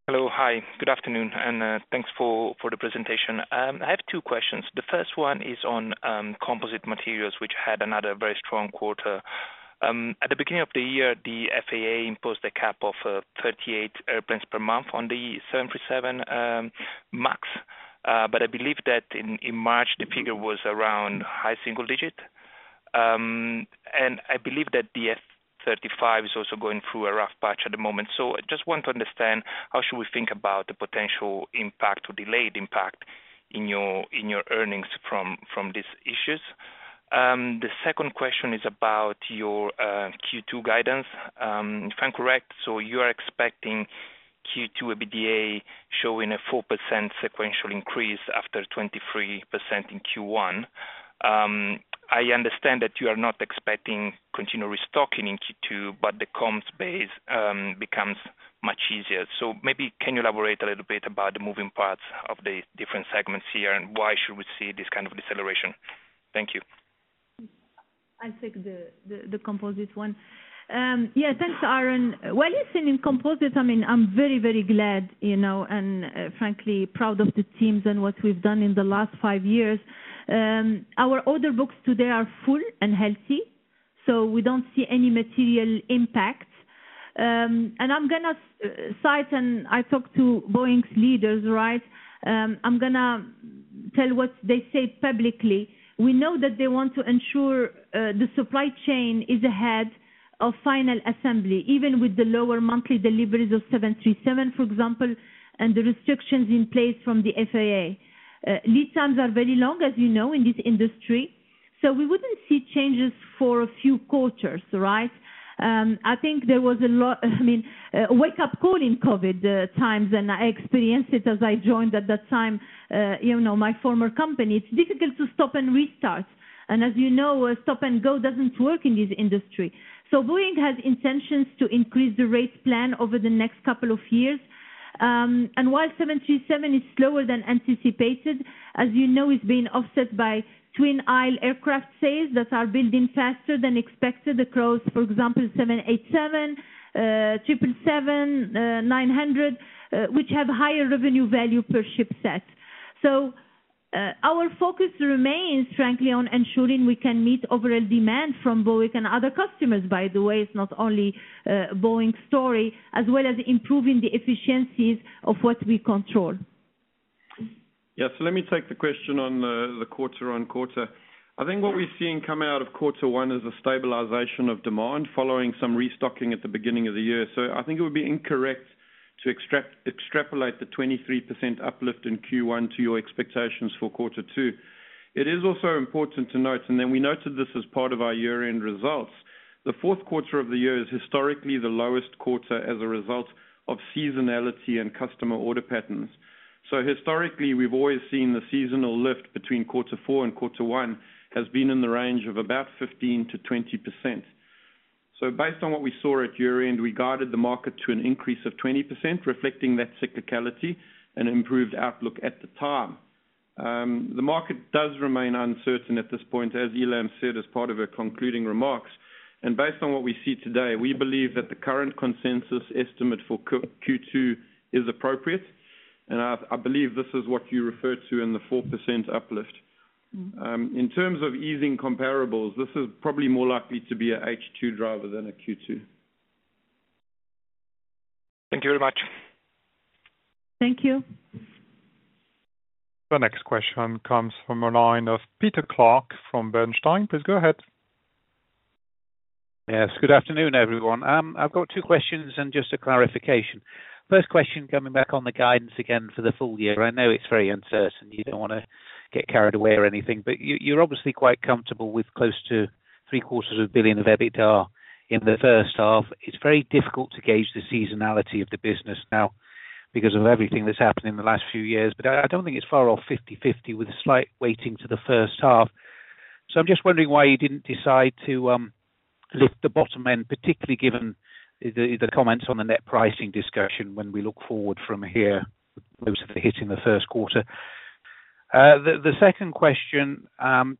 Hello. Hi, good afternoon, and thanks for the presentation. I have two questions. The first one is on composite materials, which had another very strong quarter. At the beginning of the year, the FAA imposed a cap of 38 airplanes per month on the 737 MAX. But I believe that in March, the figure was around high single digit. And I believe that the F-35 is also going through a rough patch at the moment. So I just want to understand how we should think about the potential impact or delayed impact in your earnings from these issues? The second question is about your Q2 guidance. If I'm correct, so you are expecting Q2 EBITDA showing a 4% sequential increase after 23% in Q1. I understand that you are not expecting continuous stocking in Q2, but the comps base becomes much easier. So maybe can you elaborate a little bit about the moving parts of the different segments here, and why should we see this kind of deceleration? Thank you. I'll take the composite one. Yeah, thanks, Aaron. Well, on composites, I mean, I'm very, very glad, you know, and frankly, proud of the teams and what we've done in the last five years. Our order books today are full and healthy, so we don't see any material impact. And I'm gonna say, and I talked to Boeing's leaders, right? I'm gonna tell what they say publicly. We know that they want to ensure the supply chain is ahead of final assembly, even with the lower monthly deliveries of 777, for example, and the restrictions in place from the FAA. Lead times are very long, as you know, in this industry, so we wouldn't see changes for a few quarters, right? I think there was a lot. I mean, a wake-up call in COVID times, and I experienced it as I joined at that time, you know, my former company. It's difficult to stop and restart, and as you know, a stop and go doesn't work in this industry. So Boeing has intentions to increase the rate plan over the next couple of years. And while 77 is slower than anticipated, as you know, it's being offset by twin aisle aircraft sales that are building faster than expected across, for example, 787, 777, 900, which have higher revenue value per ship set. Our focus remains frankly on ensuring we can meet overall demand from Boeing and other customers; by the way, it's not only Boeing story, as well as improving the efficiencies of what we control. Yes, so let me take the question on the, the quarter on quarter. I think what we're seeing come out of quarter one is a stabilization of demand following some restocking at the beginning of the year. So I think it would be incorrect to extract- extrapolate the 23% uplift in Q1 to your expectations for quarter two. It is also important to note, and then we noted this as part of our year-end results, the fourth quarter of the year is historically the lowest quarter as a result of seasonality and customer order patterns. So historically, we've always seen the seasonal lift between quarter four and quarter one, has been in the range of about 15%-20%. So based on what we saw at year-end, we guided the market to an increase of 20%, reflecting that cyclicality and improved outlook at the time. The market does remain uncertain at this point, as Ilham said, as part of her concluding remarks, and based on what we see today, we believe that the current consensus estimate for Q2 is appropriate, and I believe this is what you referred to in the 4% uplift. In terms of easing comparables, this is probably more likely to be a H2 driver than a Q2. Thank you very much. Thank you. The next question comes from the line of Peter Clark from Bernstein. Please go ahead. Yes, good afternoon, everyone. I've got two questions and just a clarification. First question, coming back on the guidance again for the full year. I know it's very uncertain. You don't wanna get carried away or anything, but you, you're obviously quite comfortable with close to 750 million of EBITDA in the first half. It's very difficult to gauge the seasonality of the business now because of everything that's happened in the last few years. But I, I don't think it's far off 50/50 with a slight weighting to the first half. So I'm just wondering why you didn't decide to lift the bottom end, particularly given the comments on the net pricing discussion when we look forward from here, those that are hitting the first quarter. The second question,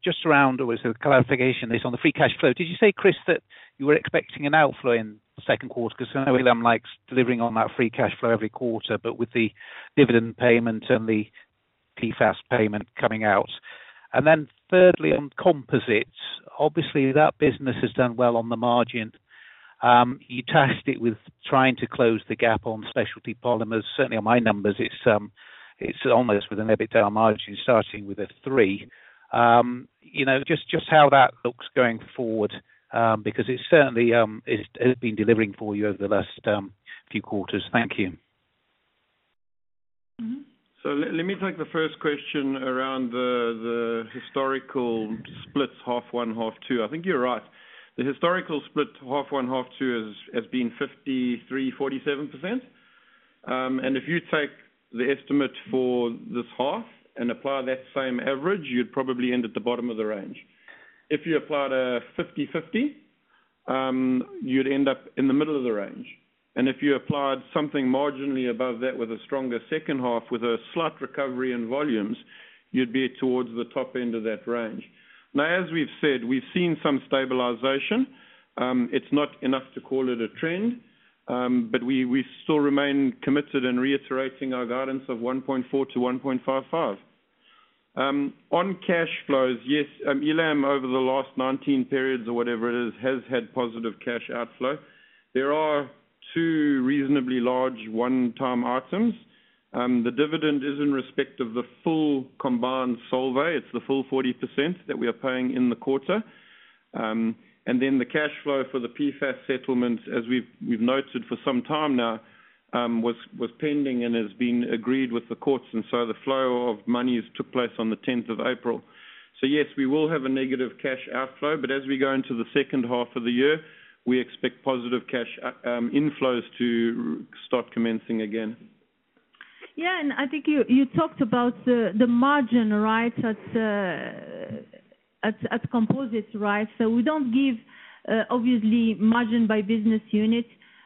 just around or as a clarification is on the free cash flow. Did you say, Chris, that you were expecting an outflow in the second quarter? 'Cause I know Ilham likes delivering on that free cash flow every quarter, but with the dividend payment and the PFAS payment coming out. And then thirdly, on composites, obviously, that business has done well on the margin. You tasked it with trying to close the gap on specialty polymers. Certainly, on my numbers, it's almost with an EBITDA margin, starting with a three. You know, just how that looks going forward, because it certainly has been delivering for you over the last few quarters. Thank you. Mm-hmm. So let me take the first question around the, the historical splits, half one, half two. I think you're right. The historical split, half one, half two is, has been 53%-47%. And if you take the estimate for this half and apply that same average, you'd probably end at the bottom of the range. If you applied a 50/50, you'd end up in the middle of the range, and if you applied something marginally above that with a stronger second half, with a slight recovery in volumes, you'd be towards the top end of that range. Now, as we've said, we've seen some stabilization. It's not enough to call it a trend, but we still remain committed and reiterating our guidance of 1.4-1.55. On cash flows, yes, Ilham, over the last 19 periods or whatever it is, has had positive cash outflow. There are two reasonably large one-time items. The dividend is in respect of the full combined Solvay. It's the full 40% that we are paying in the quarter. And then the cash flow for the PFAS settlement, as we've noted for some time now, was pending and has been agreed with the courts, and so the flow of monies took place on the tenth of April. So yes, we will have a negative cash outflow, but as we go into the second half of the year, we expect positive cash inflows to start commencing again. Yeah, and I think you talked about the margin, right? At composites, right? So we don't give obviously margin by business unit.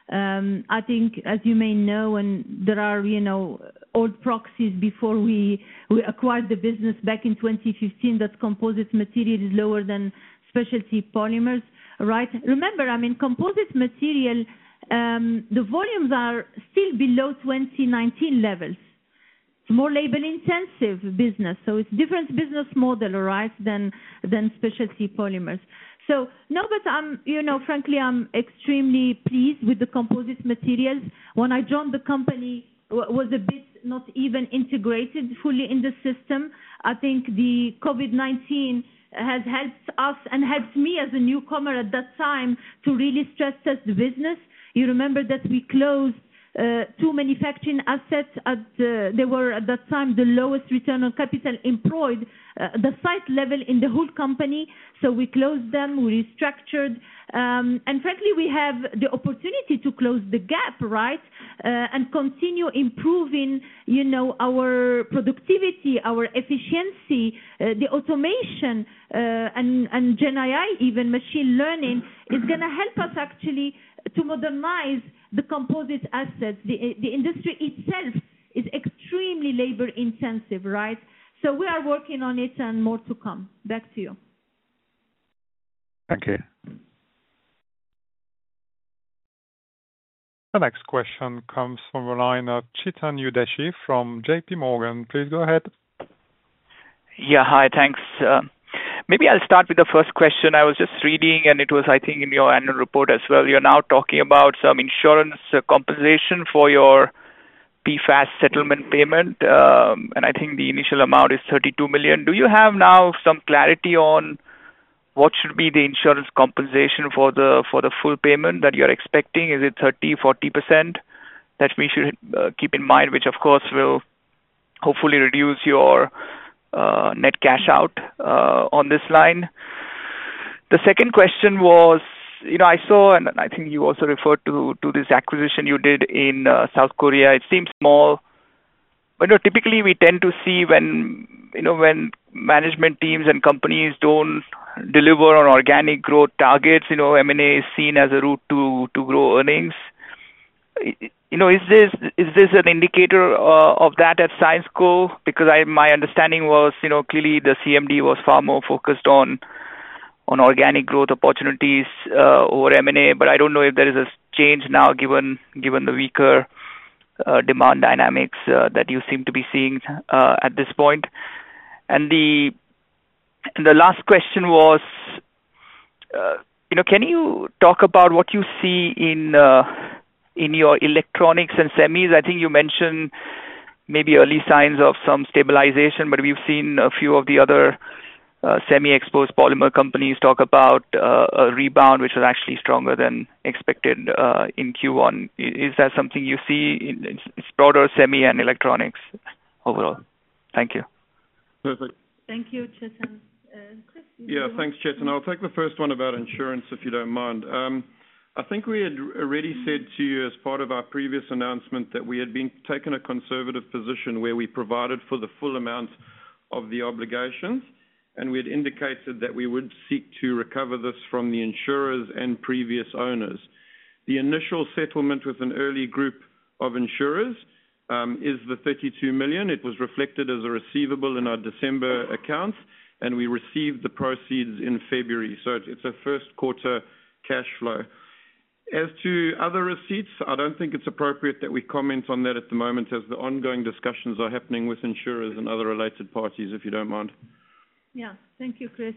I think as you may know, and there are, you know, old proxies before we acquired the business back in 2015, that composites material is lower than specialty polymers, right? Remember, I mean, composites material, the volumes are still below 2019 levels. It's more labor-intensive business, so it's different business model, right, than specialty polymers. So no, but I'm, you know, frankly, I'm extremely pleased with the composites materials. When I joined the company, was a bit not even integrated fully in the system. I think the COVID-19 has helped us and helped me as a newcomer at that time, to really stress test the business. You remember that we closed two manufacturing assets. At that time, they were the lowest return on capital employed at the site level in the whole company, so we closed them. We restructured. Frankly, we have the opportunity to close the gap, right, and continue improving, you know, our productivity, our efficiency, the automation, and GenAI, even machine learning, is gonna help us actually to modernize the composites assets. The industry itself is extremely labor-intensive, right? So we are working on it and more to come. Back to you. Thank you. The next question comes from the line of Chetan Udeshi from JPMorgan. Please go ahead. Yeah. Hi, thanks. Maybe I'll start with the first question. I was just reading, and it was, I think, in your annual report as well. You're now talking about some insurance compensation for your PFAS settlement payment, and I think the initial amount is $32 million. Do you have now some clarity on what should be the insurance compensation for the, for the full payment that you're expecting? Is it 30%-40% that we should keep in mind, which of course will hopefully reduce your net cash out on this line? The second question was, you know, I saw, and I think you also referred to, to this acquisition you did in South Korea, it seems small. But, you know, typically we tend to see when, you know, when management teams and companies don't deliver on organic growth targets, you know, M&A is seen as a route to grow earnings. You know, is this, is this an indicator of that at Syensqo? Because my understanding was, you know, clearly the CMD was far more focused on organic growth opportunities over M&A, but I don't know if there is a change now, given the weaker demand dynamics that you seem to be seeing at this point. And the last question was, you know, can you talk about what you see in your electronics and semis? I think you mentioned maybe early signs of some stabilization, but we've seen a few of the other semi exposed polymer companies talk about a rebound, which is actually stronger than expected in Q1. Is that something you see in broader semi and electronics overall? Thank you. Perfect. Thank you, Chetan. And Chris, you. Yeah. Thanks, Chetan. I'll take the first one about insurance, if you don't mind. I think we had already said to you as part of our previous announcement, that we had been taken a conservative position where we provided for the full amount of the obligations, and we had indicated that we would seek to recover this from the insurers and previous owners. The initial settlement with an early group of insurers is the $32 million. It was reflected as a receivable in our December accounts, and we received the proceeds in February, so it's a first quarter cash flow. As to other receipts, I don't think it's appropriate that we comment on that at the moment, as the ongoing discussions are happening with insurers and other related parties, if you don't mind. Yeah. Thank you, Chris.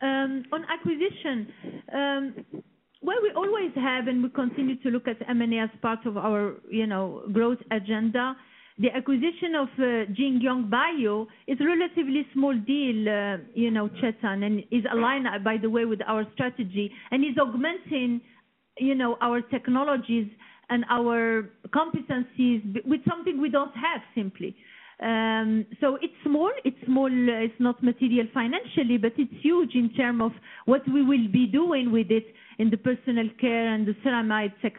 On acquisition, well, we always have, and we continue to look at M&A as part of our, you know, growth agenda. The acquisition of JinYoung Bio is a relatively small deal, you know, Chetan, and is aligned, by the way, with our strategy. And is augmenting, you know, our technologies and our competencies with something we don't have, simply. So it's small, it's small, it's not material financially, but it's huge in terms of what we will be doing with it in the personal care and the ceramide tech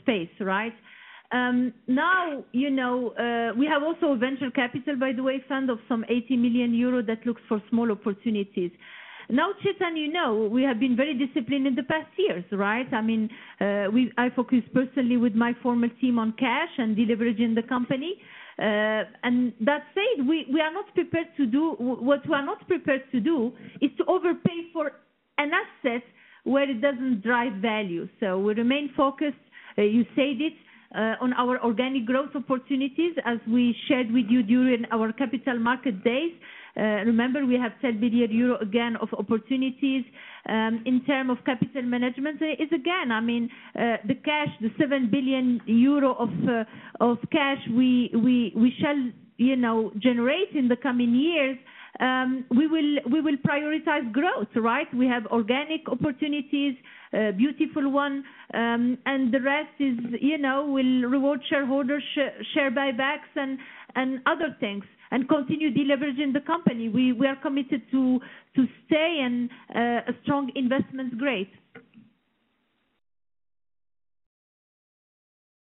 space, right? Now, you know, we have also a venture capital, by the way, fund of some 80 million euros that looks for small opportunities. Now, Chetan, you know, we have been very disciplined in the past years, right? I mean, we I focused personally with my former team on cash and deleveraging the company. And that said, we are not prepared to do what we are not prepared to do, is to overpay for an asset where it doesn't drive value. So we remain focused, you said it, on our organic growth opportunities, as we shared with you during our Capital Markets Days. Remember, we have 10 billion euro, again, of opportunities. In term of capital management, it's again, I mean, the cash, the 7 billion euro of cash, we shall, you know, generate in the coming years, we will prioritize growth, right? We have organic opportunities, beautiful one, and the rest is, you know, will reward shareholders, share buybacks and other things, and continue deleveraging the company. We are committed to stay in a strong investment grade.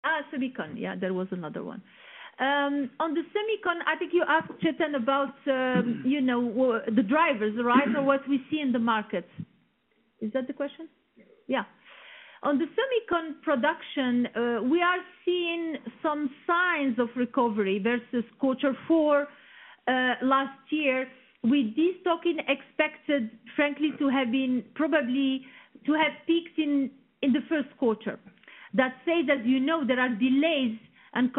Ah, semicon. Yeah, there was another one. On the semicon, I think you asked, Chetan, about, you know, the drivers, right? So what we see in the market. Is that the question? Yeah. On the semicon production, we are seeing some signs of recovery vs quarter four last year, with destocking expected, frankly, to have been probably to have peaked in the first quarter. That said, as you know, there are delays and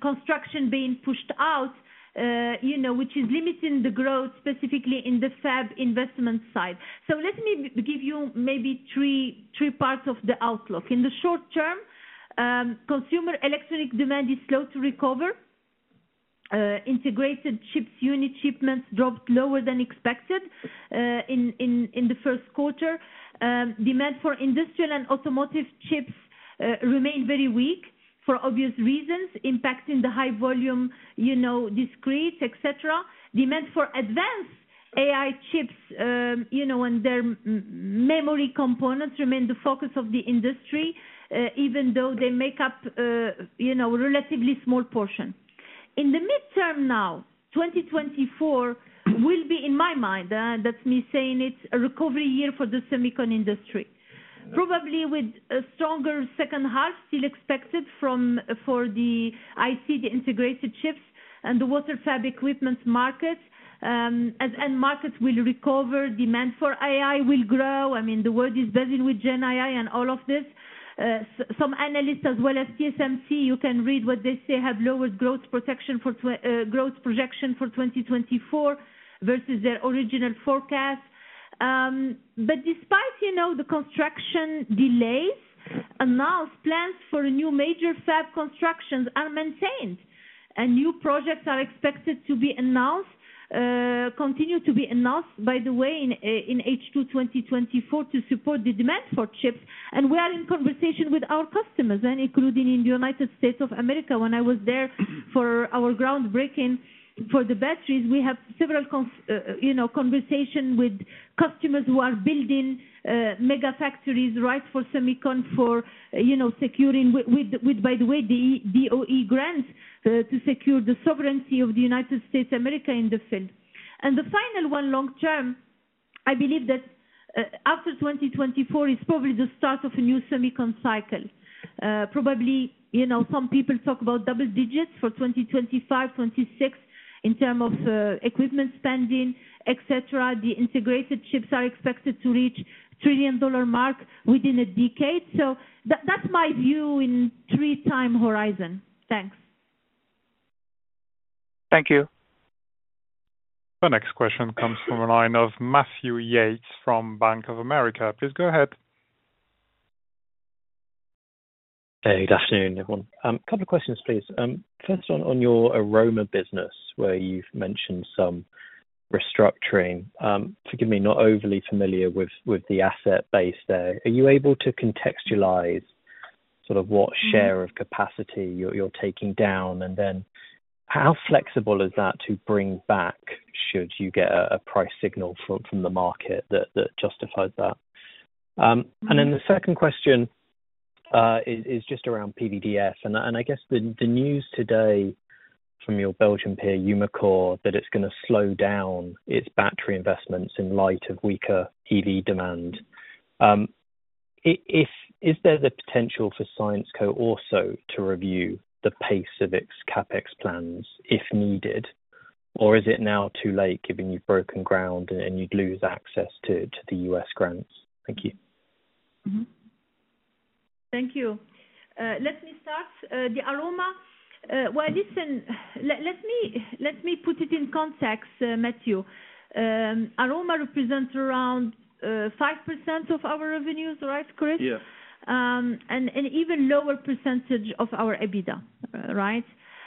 construction being pushed out, you know, which is limiting the growth, specifically in the fab investment side. So let me give you maybe three parts of the outlook. In the short term, consumer electronic demand is slow to recover. Integrated chips unit shipments dropped lower than expected, in the first quarter. Demand for industrial and automotive chips remain very weak for obvious reasons, impacting the high volume, you know, discrete, et cetera. Demand for advanced AI chips, you know, and their memory components remain the focus of the industry, even though they make up, you know, a relatively small portion. In the midterm now, 2024 will be, in my mind, that's me saying it's a recovery year for the semicon industry. Probably with a stronger second half, still expected for the IC, the integrated chips and the wafer fab equipment market, as end markets will recover, demand for AI will grow. I mean, the world is buzzing with Gen AI and all of this. Some analysts as well as TSMC, you can read what they say, have lowered growth projection for 2024 vs their original forecast. But despite, you know, the construction delays, announced plans for new major fab constructions are maintained, and new projects are expected to be announced, continue to be announced, by the way, in H2 2024 to support the demand for chips. And we are in conversation with our customers, and including in the United States of America. When I was there for our groundbreaking for the batteries, we have several conversation with customers who are building mega factories, right, for semicon, for, you know, securing with, with, with, by the way, the DOE grants, to secure the sovereignty of the United States of America in the field. The final one long term, I believe that, after 2024 is probably the start of a new Semicon cycle. Probably, you know, some people talk about double digits for 2025, 2026 in term of, equipment spending, etc. The integrated chips are expected to reach $1 trillion mark within a decade. So that's my view in three time horizon. Thanks. Thank you. The next question comes from a line of Matthew Yates from Bank of America. Please go ahead. Hey, good afternoon, everyone. Couple of questions, please. First on your Aroma business, where you've mentioned some restructuring. Forgive me, not overly familiar with the asset base there. Are you able to contextualize sort of what share of capacity you're taking down? And then how flexible is that to bring back, should you get a price signal from the market that justifies that? And then the second question is just around PVDF. And I guess the news today from your Belgian peer, Umicore, that it's gonna slow down its battery investments in light of weaker EV demand. Is there the potential for Syensqo. also to review the pace of its CapEx plans if needed? Or is it now too late, given you've broken ground and you'd lose access to the U.S. grants? Thank you. Mm-hmm. Thank you. Let me start the Aroma. Well, listen, let me put it in context, Matthew. Aroma represents around 5% of our revenues, right, Chris? Yes. And even lower percentage of our EBITDA, right?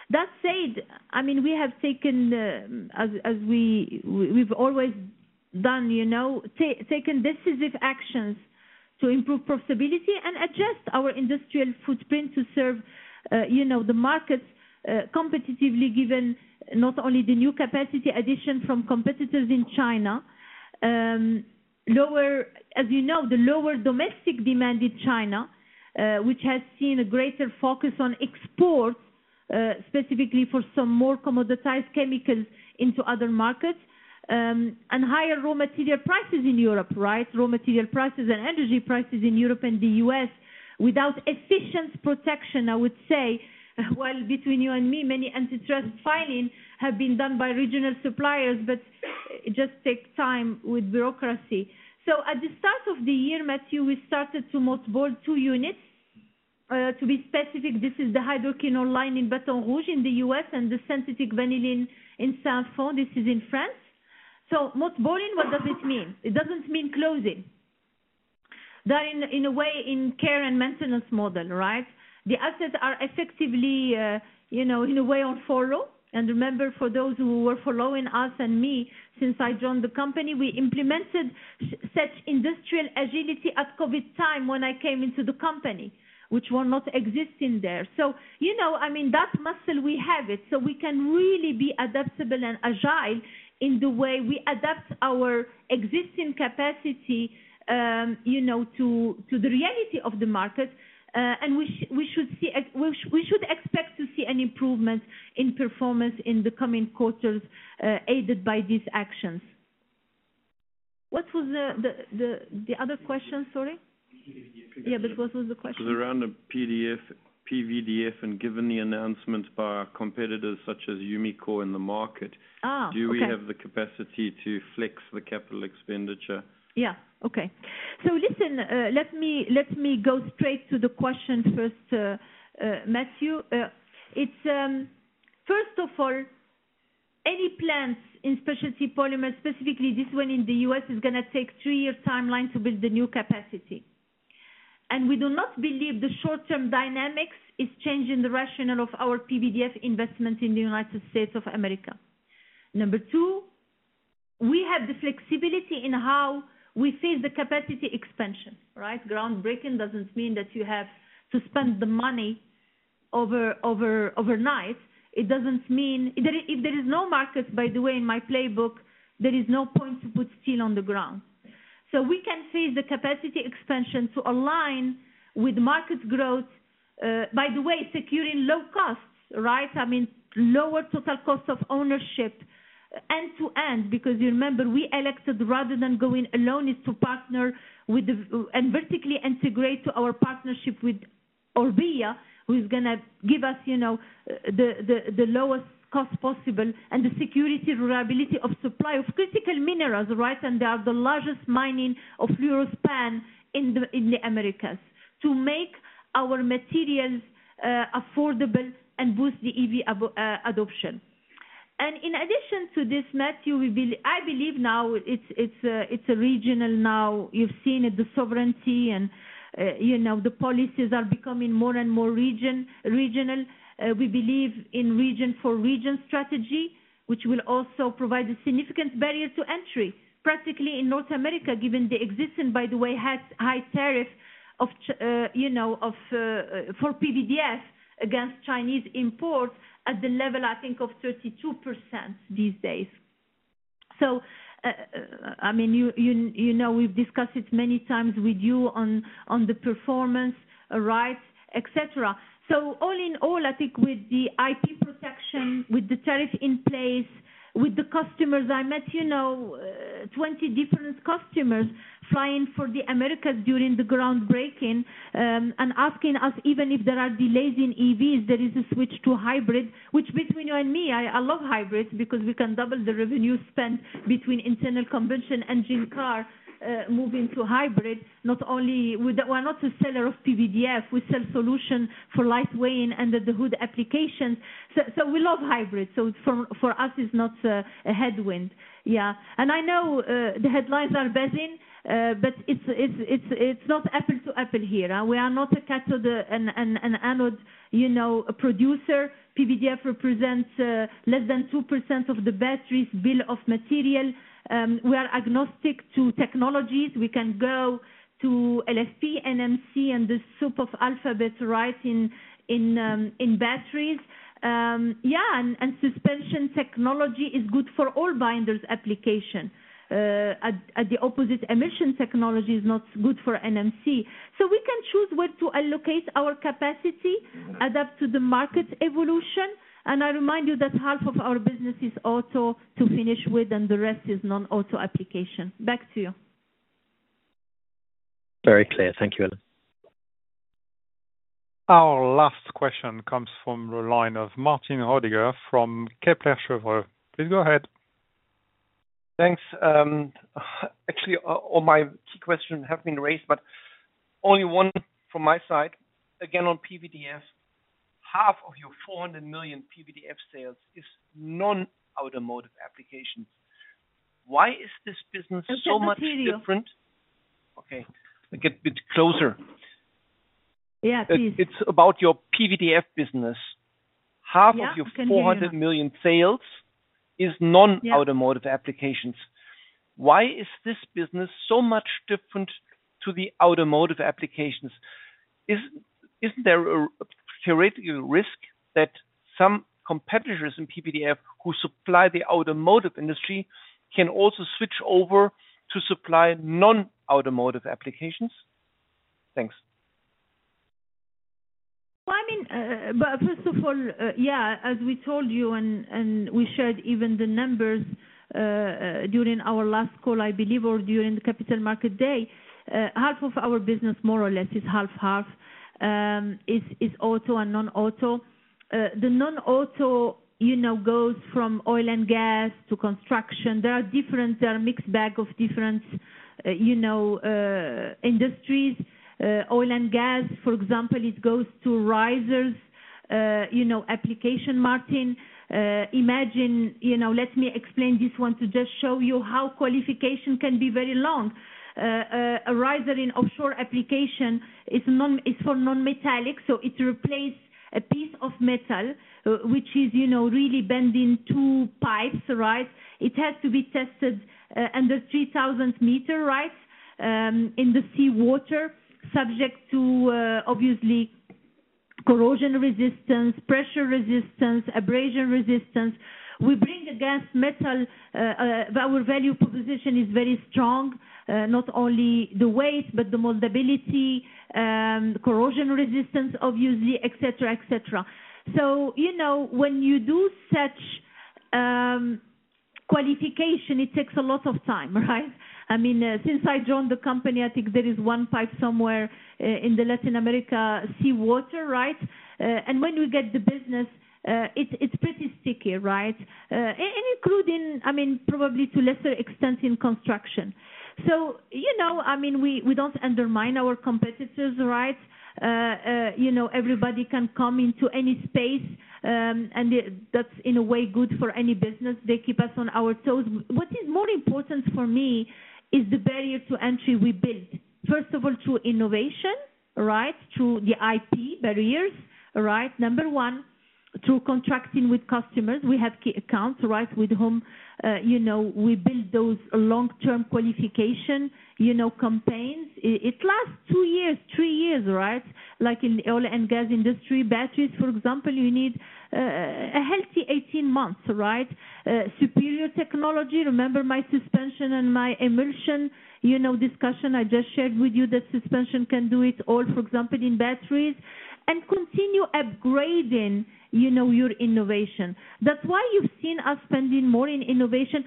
That said, I mean, we have taken, as we have always done, you know, taken decisive actions to improve profitability and adjust our industrial footprint to serve, you know, the markets competitively, given not only the new capacity addition from competitors in China. Lower. As you know, the lower domestic demand in China, which has seen a greater focus on exports, specifically for some more commoditized chemicals into other markets, and higher raw material prices in Europe, right? Raw material prices and energy prices in Europe and the U.S. without efficient protection, I would say. Well, between you and me, many antitrust filings have been done by regional suppliers, but it just takes time with bureaucracy. So at the start of the year, Matthew, we started to mothball two units. To be specific, this is the hydroquinone line in Baton Rouge in the U.S. and the synthetic vanillin in Saint-Fons in France. So mothballing, what does it mean? It doesn't mean closing. They're in, in a way, in care and maintenance model, right? The assets are effectively, you know, in a way on follow. And remember, for those who were following us and me since I joined the company, we implemented such industrial agility at COVID time when I came into the company, which were not existing there. So, you know, I mean, that muscle we have it, so we can really be adaptable and agile in the way we adapt our existing capacity, you know, to the reality of the market. And we should expect to see an improvement in performance in the coming quarters, aided by these actions. What was the other question, sorry? Yeah, but what was the question? It was around the PVDF, and given the announcements by our competitors, such as Umicore, in the market. Ah, okay. Do we have the capacity to flex the capital expenditure? Yeah. Okay. So listen, let me, let me go straight to the question first, Matthew. It's first of all, any plans in specialty polymers, specifically this one in the U.S., is gonna take three-year timeline to build the new capacity. And we do not believe the short-term dynamics is changing the rationale of our PVDF investment in the United States of America. Number two, we have the flexibility in how we see the capacity expansion, right? Groundbreaking doesn't mean that you have to spend the money over, over, overnight. It doesn't mean. If there is no market, by the way, in my playbook, there is no point to put steel on the ground. So we can see the capacity expansion to align with market growth, by the way, securing low costs, right? I mean, lower total cost of ownership. End-to-end, because you remember, we elected, rather than going alone, is to partner with the and vertically integrate to our partnership with Orbia, who is going to give us, you know, the lowest cost possible and the security, reliability of supply of critical minerals, right? And they are the largest mining of Europe and in the Americas. To make our materials affordable and boost the EV adoption. And in addition to this, Matthew, we believe now it's a regional now. You've seen it, the sovereignty and, you know, the policies are becoming more and more regional. We believe in region for region strategy, which will also provide a significant barrier to entry, practically in North America, given the existing, by the way, high tariff, you know, for PVDF against Chinese imports at the level, I think of 32% these days. So, I mean, you know, we've discussed it many times with you on the performance, right, et cetera. So all in all, I think with the IP protection, with the tariff in place, with the customers I met, you know, 20 different customers flying for the Americas during the groundbreaking, and asking us, even if there are delays in EVs, there is a switch to hybrid. Which between you and me, I love hybrids because we can double the revenue spent between internal combustion engine car moving to hybrid. We're not a seller of PVDF, we sell solutions for lightweight and under-the-hood applications. So, so we love hybrids, so for, for us, it's not a headwind. Yeah. And I know the headlines are betting, but it's, it's, it's, it's not apple to apple here. We are not a cathode and, and, and anode, you know, a producer. PVDF represents less than 2% of the batteries' bill of material. We are agnostic to technologies. We can go to LFP, NMC, and the soup of alphabet, right, in, in in batteries. Yeah, and, and suspension technology is good for all binders application. At, at the opposite, emission technology is not good for NMC. We can choose where to allocate our capacity, adapt to the market evolution, and I remind you that half of our business is auto to finish with, and the rest is non-auto application. Back to you. Very clear. Thank you. Our last question comes from the line of Martin Roediger from Kepler Cheuvreux. Please go ahead. Thanks. Actually, all my key questions have been raised, but only one from my side, again, on PVDF. Half of your 400 million PVDF sales is non-automotive applications. Why is this business so much different. I can't hear you. Okay, I get a bit closer. Yeah, please. It's about your PVDF business. Yeah, I can hear you. Half of your 400 million sales is non-automotive. Yeah Applications. Why is this business so much different to the automotive applications? Isn't there a theoretical risk that some competitors in PVDF who supply the automotive industry can also switch over to supply non-automotive applications? Thanks. Well, I mean, but first of all, yeah, as we told you, and we shared even the numbers during our last call, I believe, or during the Capital Market Day, half of our business, more or less, is half-half, is auto and non-auto. The non-auto, you know, goes from oil and gas to construction. There are a mixed bag of different, you know, industries. Oil and gas, for example, it goes to risers, you know, application, Martin. Imagine, you know, let me explain this one to just show you how qualification can be very long. A riser in offshore application is for non-metallic, so it replaced a piece of metal, which is, you know, really bending two pipes, right? It has to be tested under 3,000 meters, right, in the seawater, subject to obviously corrosion resistance, pressure resistance, abrasion resistance. We bring against metal our value proposition is very strong not only the weight, but the moldability corrosion resistance, obviously, etc, etc. So, you know, when you do such qualification, it takes a lot of time, right? I mean, since I joined the company, I think there is one pipe somewhere in the Latin America seawater, right? And when we get the business, it's, it's pretty sticky, right? And including, I mean, probably to lesser extent in construction. So, you know, I mean, we, we don't undermine our competitors, right? You know, everybody can come into any space, and that's in a way good for any business. They keep us on our toes. What is more important for me is the barrier to entry we build. First of all, through innovation, right? Through the IP barriers, right? Number one, through contracting with customers. We have key accounts, right, with whom, you know, we build those long-term qualification, you know, campaigns. It lasts two years, three years, right? Like in the oil and gas industry, batteries, for example, you need a healthy 18 months, right? Superior technology. Remember my suspension and my emulsion, you know, discussion I just shared with you, that suspension can do it all, for example, in batteries and continue upgrading, you know, your innovation. That's why you've seen us spending more in innovation,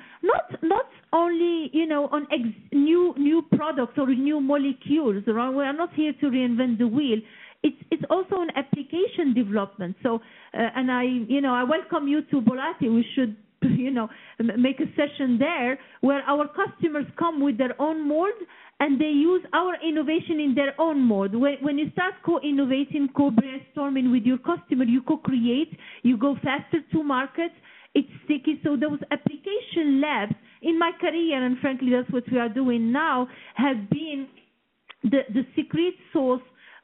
not only, you know, on new products or new molecules, right? We are not here to reinvent the wheel. It's also an application development. So, and I, you know, I welcome you to Bollate. We should, you know, make a session there, where our customers come with their own mold, and they use our innovation in their own mold. When you start co-innovating, co-brainstorming with your customer, you co-create, you go faster to market, it's sticky. So those application labs, in my career, and frankly, that's what we are doing now, have been the secret source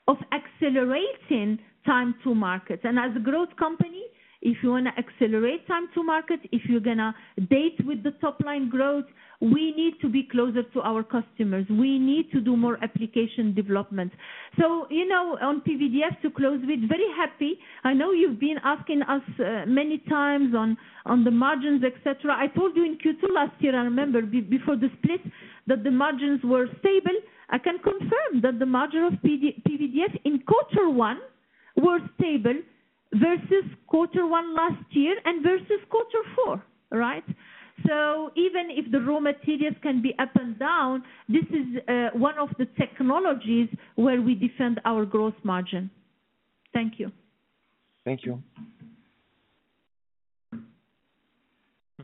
of accelerating time to market. And as a growth company, if you wanna accelerate time to market, if you're gonna date with the top line growth, we need to be closer to our customers. We need to do more application development. So, you know, on PVDF, to close with, very happy. I know you've been asking us, many times on, on the margins, etc. I told you in Q2 last year, I remember before the split, that the margins were stable. I can confirm that the margin of PVDF in quarter one were stable vs quarter one last year and vs quarter four, right? So even if the raw materials can be up and down, this is one of the technologies where we defend our growth margin. Thank you. Thank you.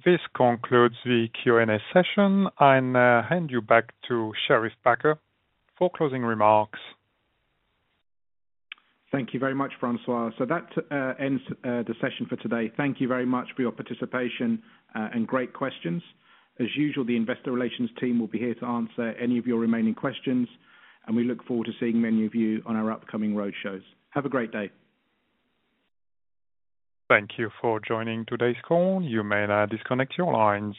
This concludes the Q&A session. I'll hand you back to Sherief Bakr for closing remarks. Thank you very much, Francois. That ends the session for today. Thank you very much for your participation, and great questions. As usual, the investor relations team will be here to answer any of your remaining questions, and we look forward to seeing many of you on our upcoming roadshows. Have a great day. Thank you for joining today's call. You may now disconnect your lines.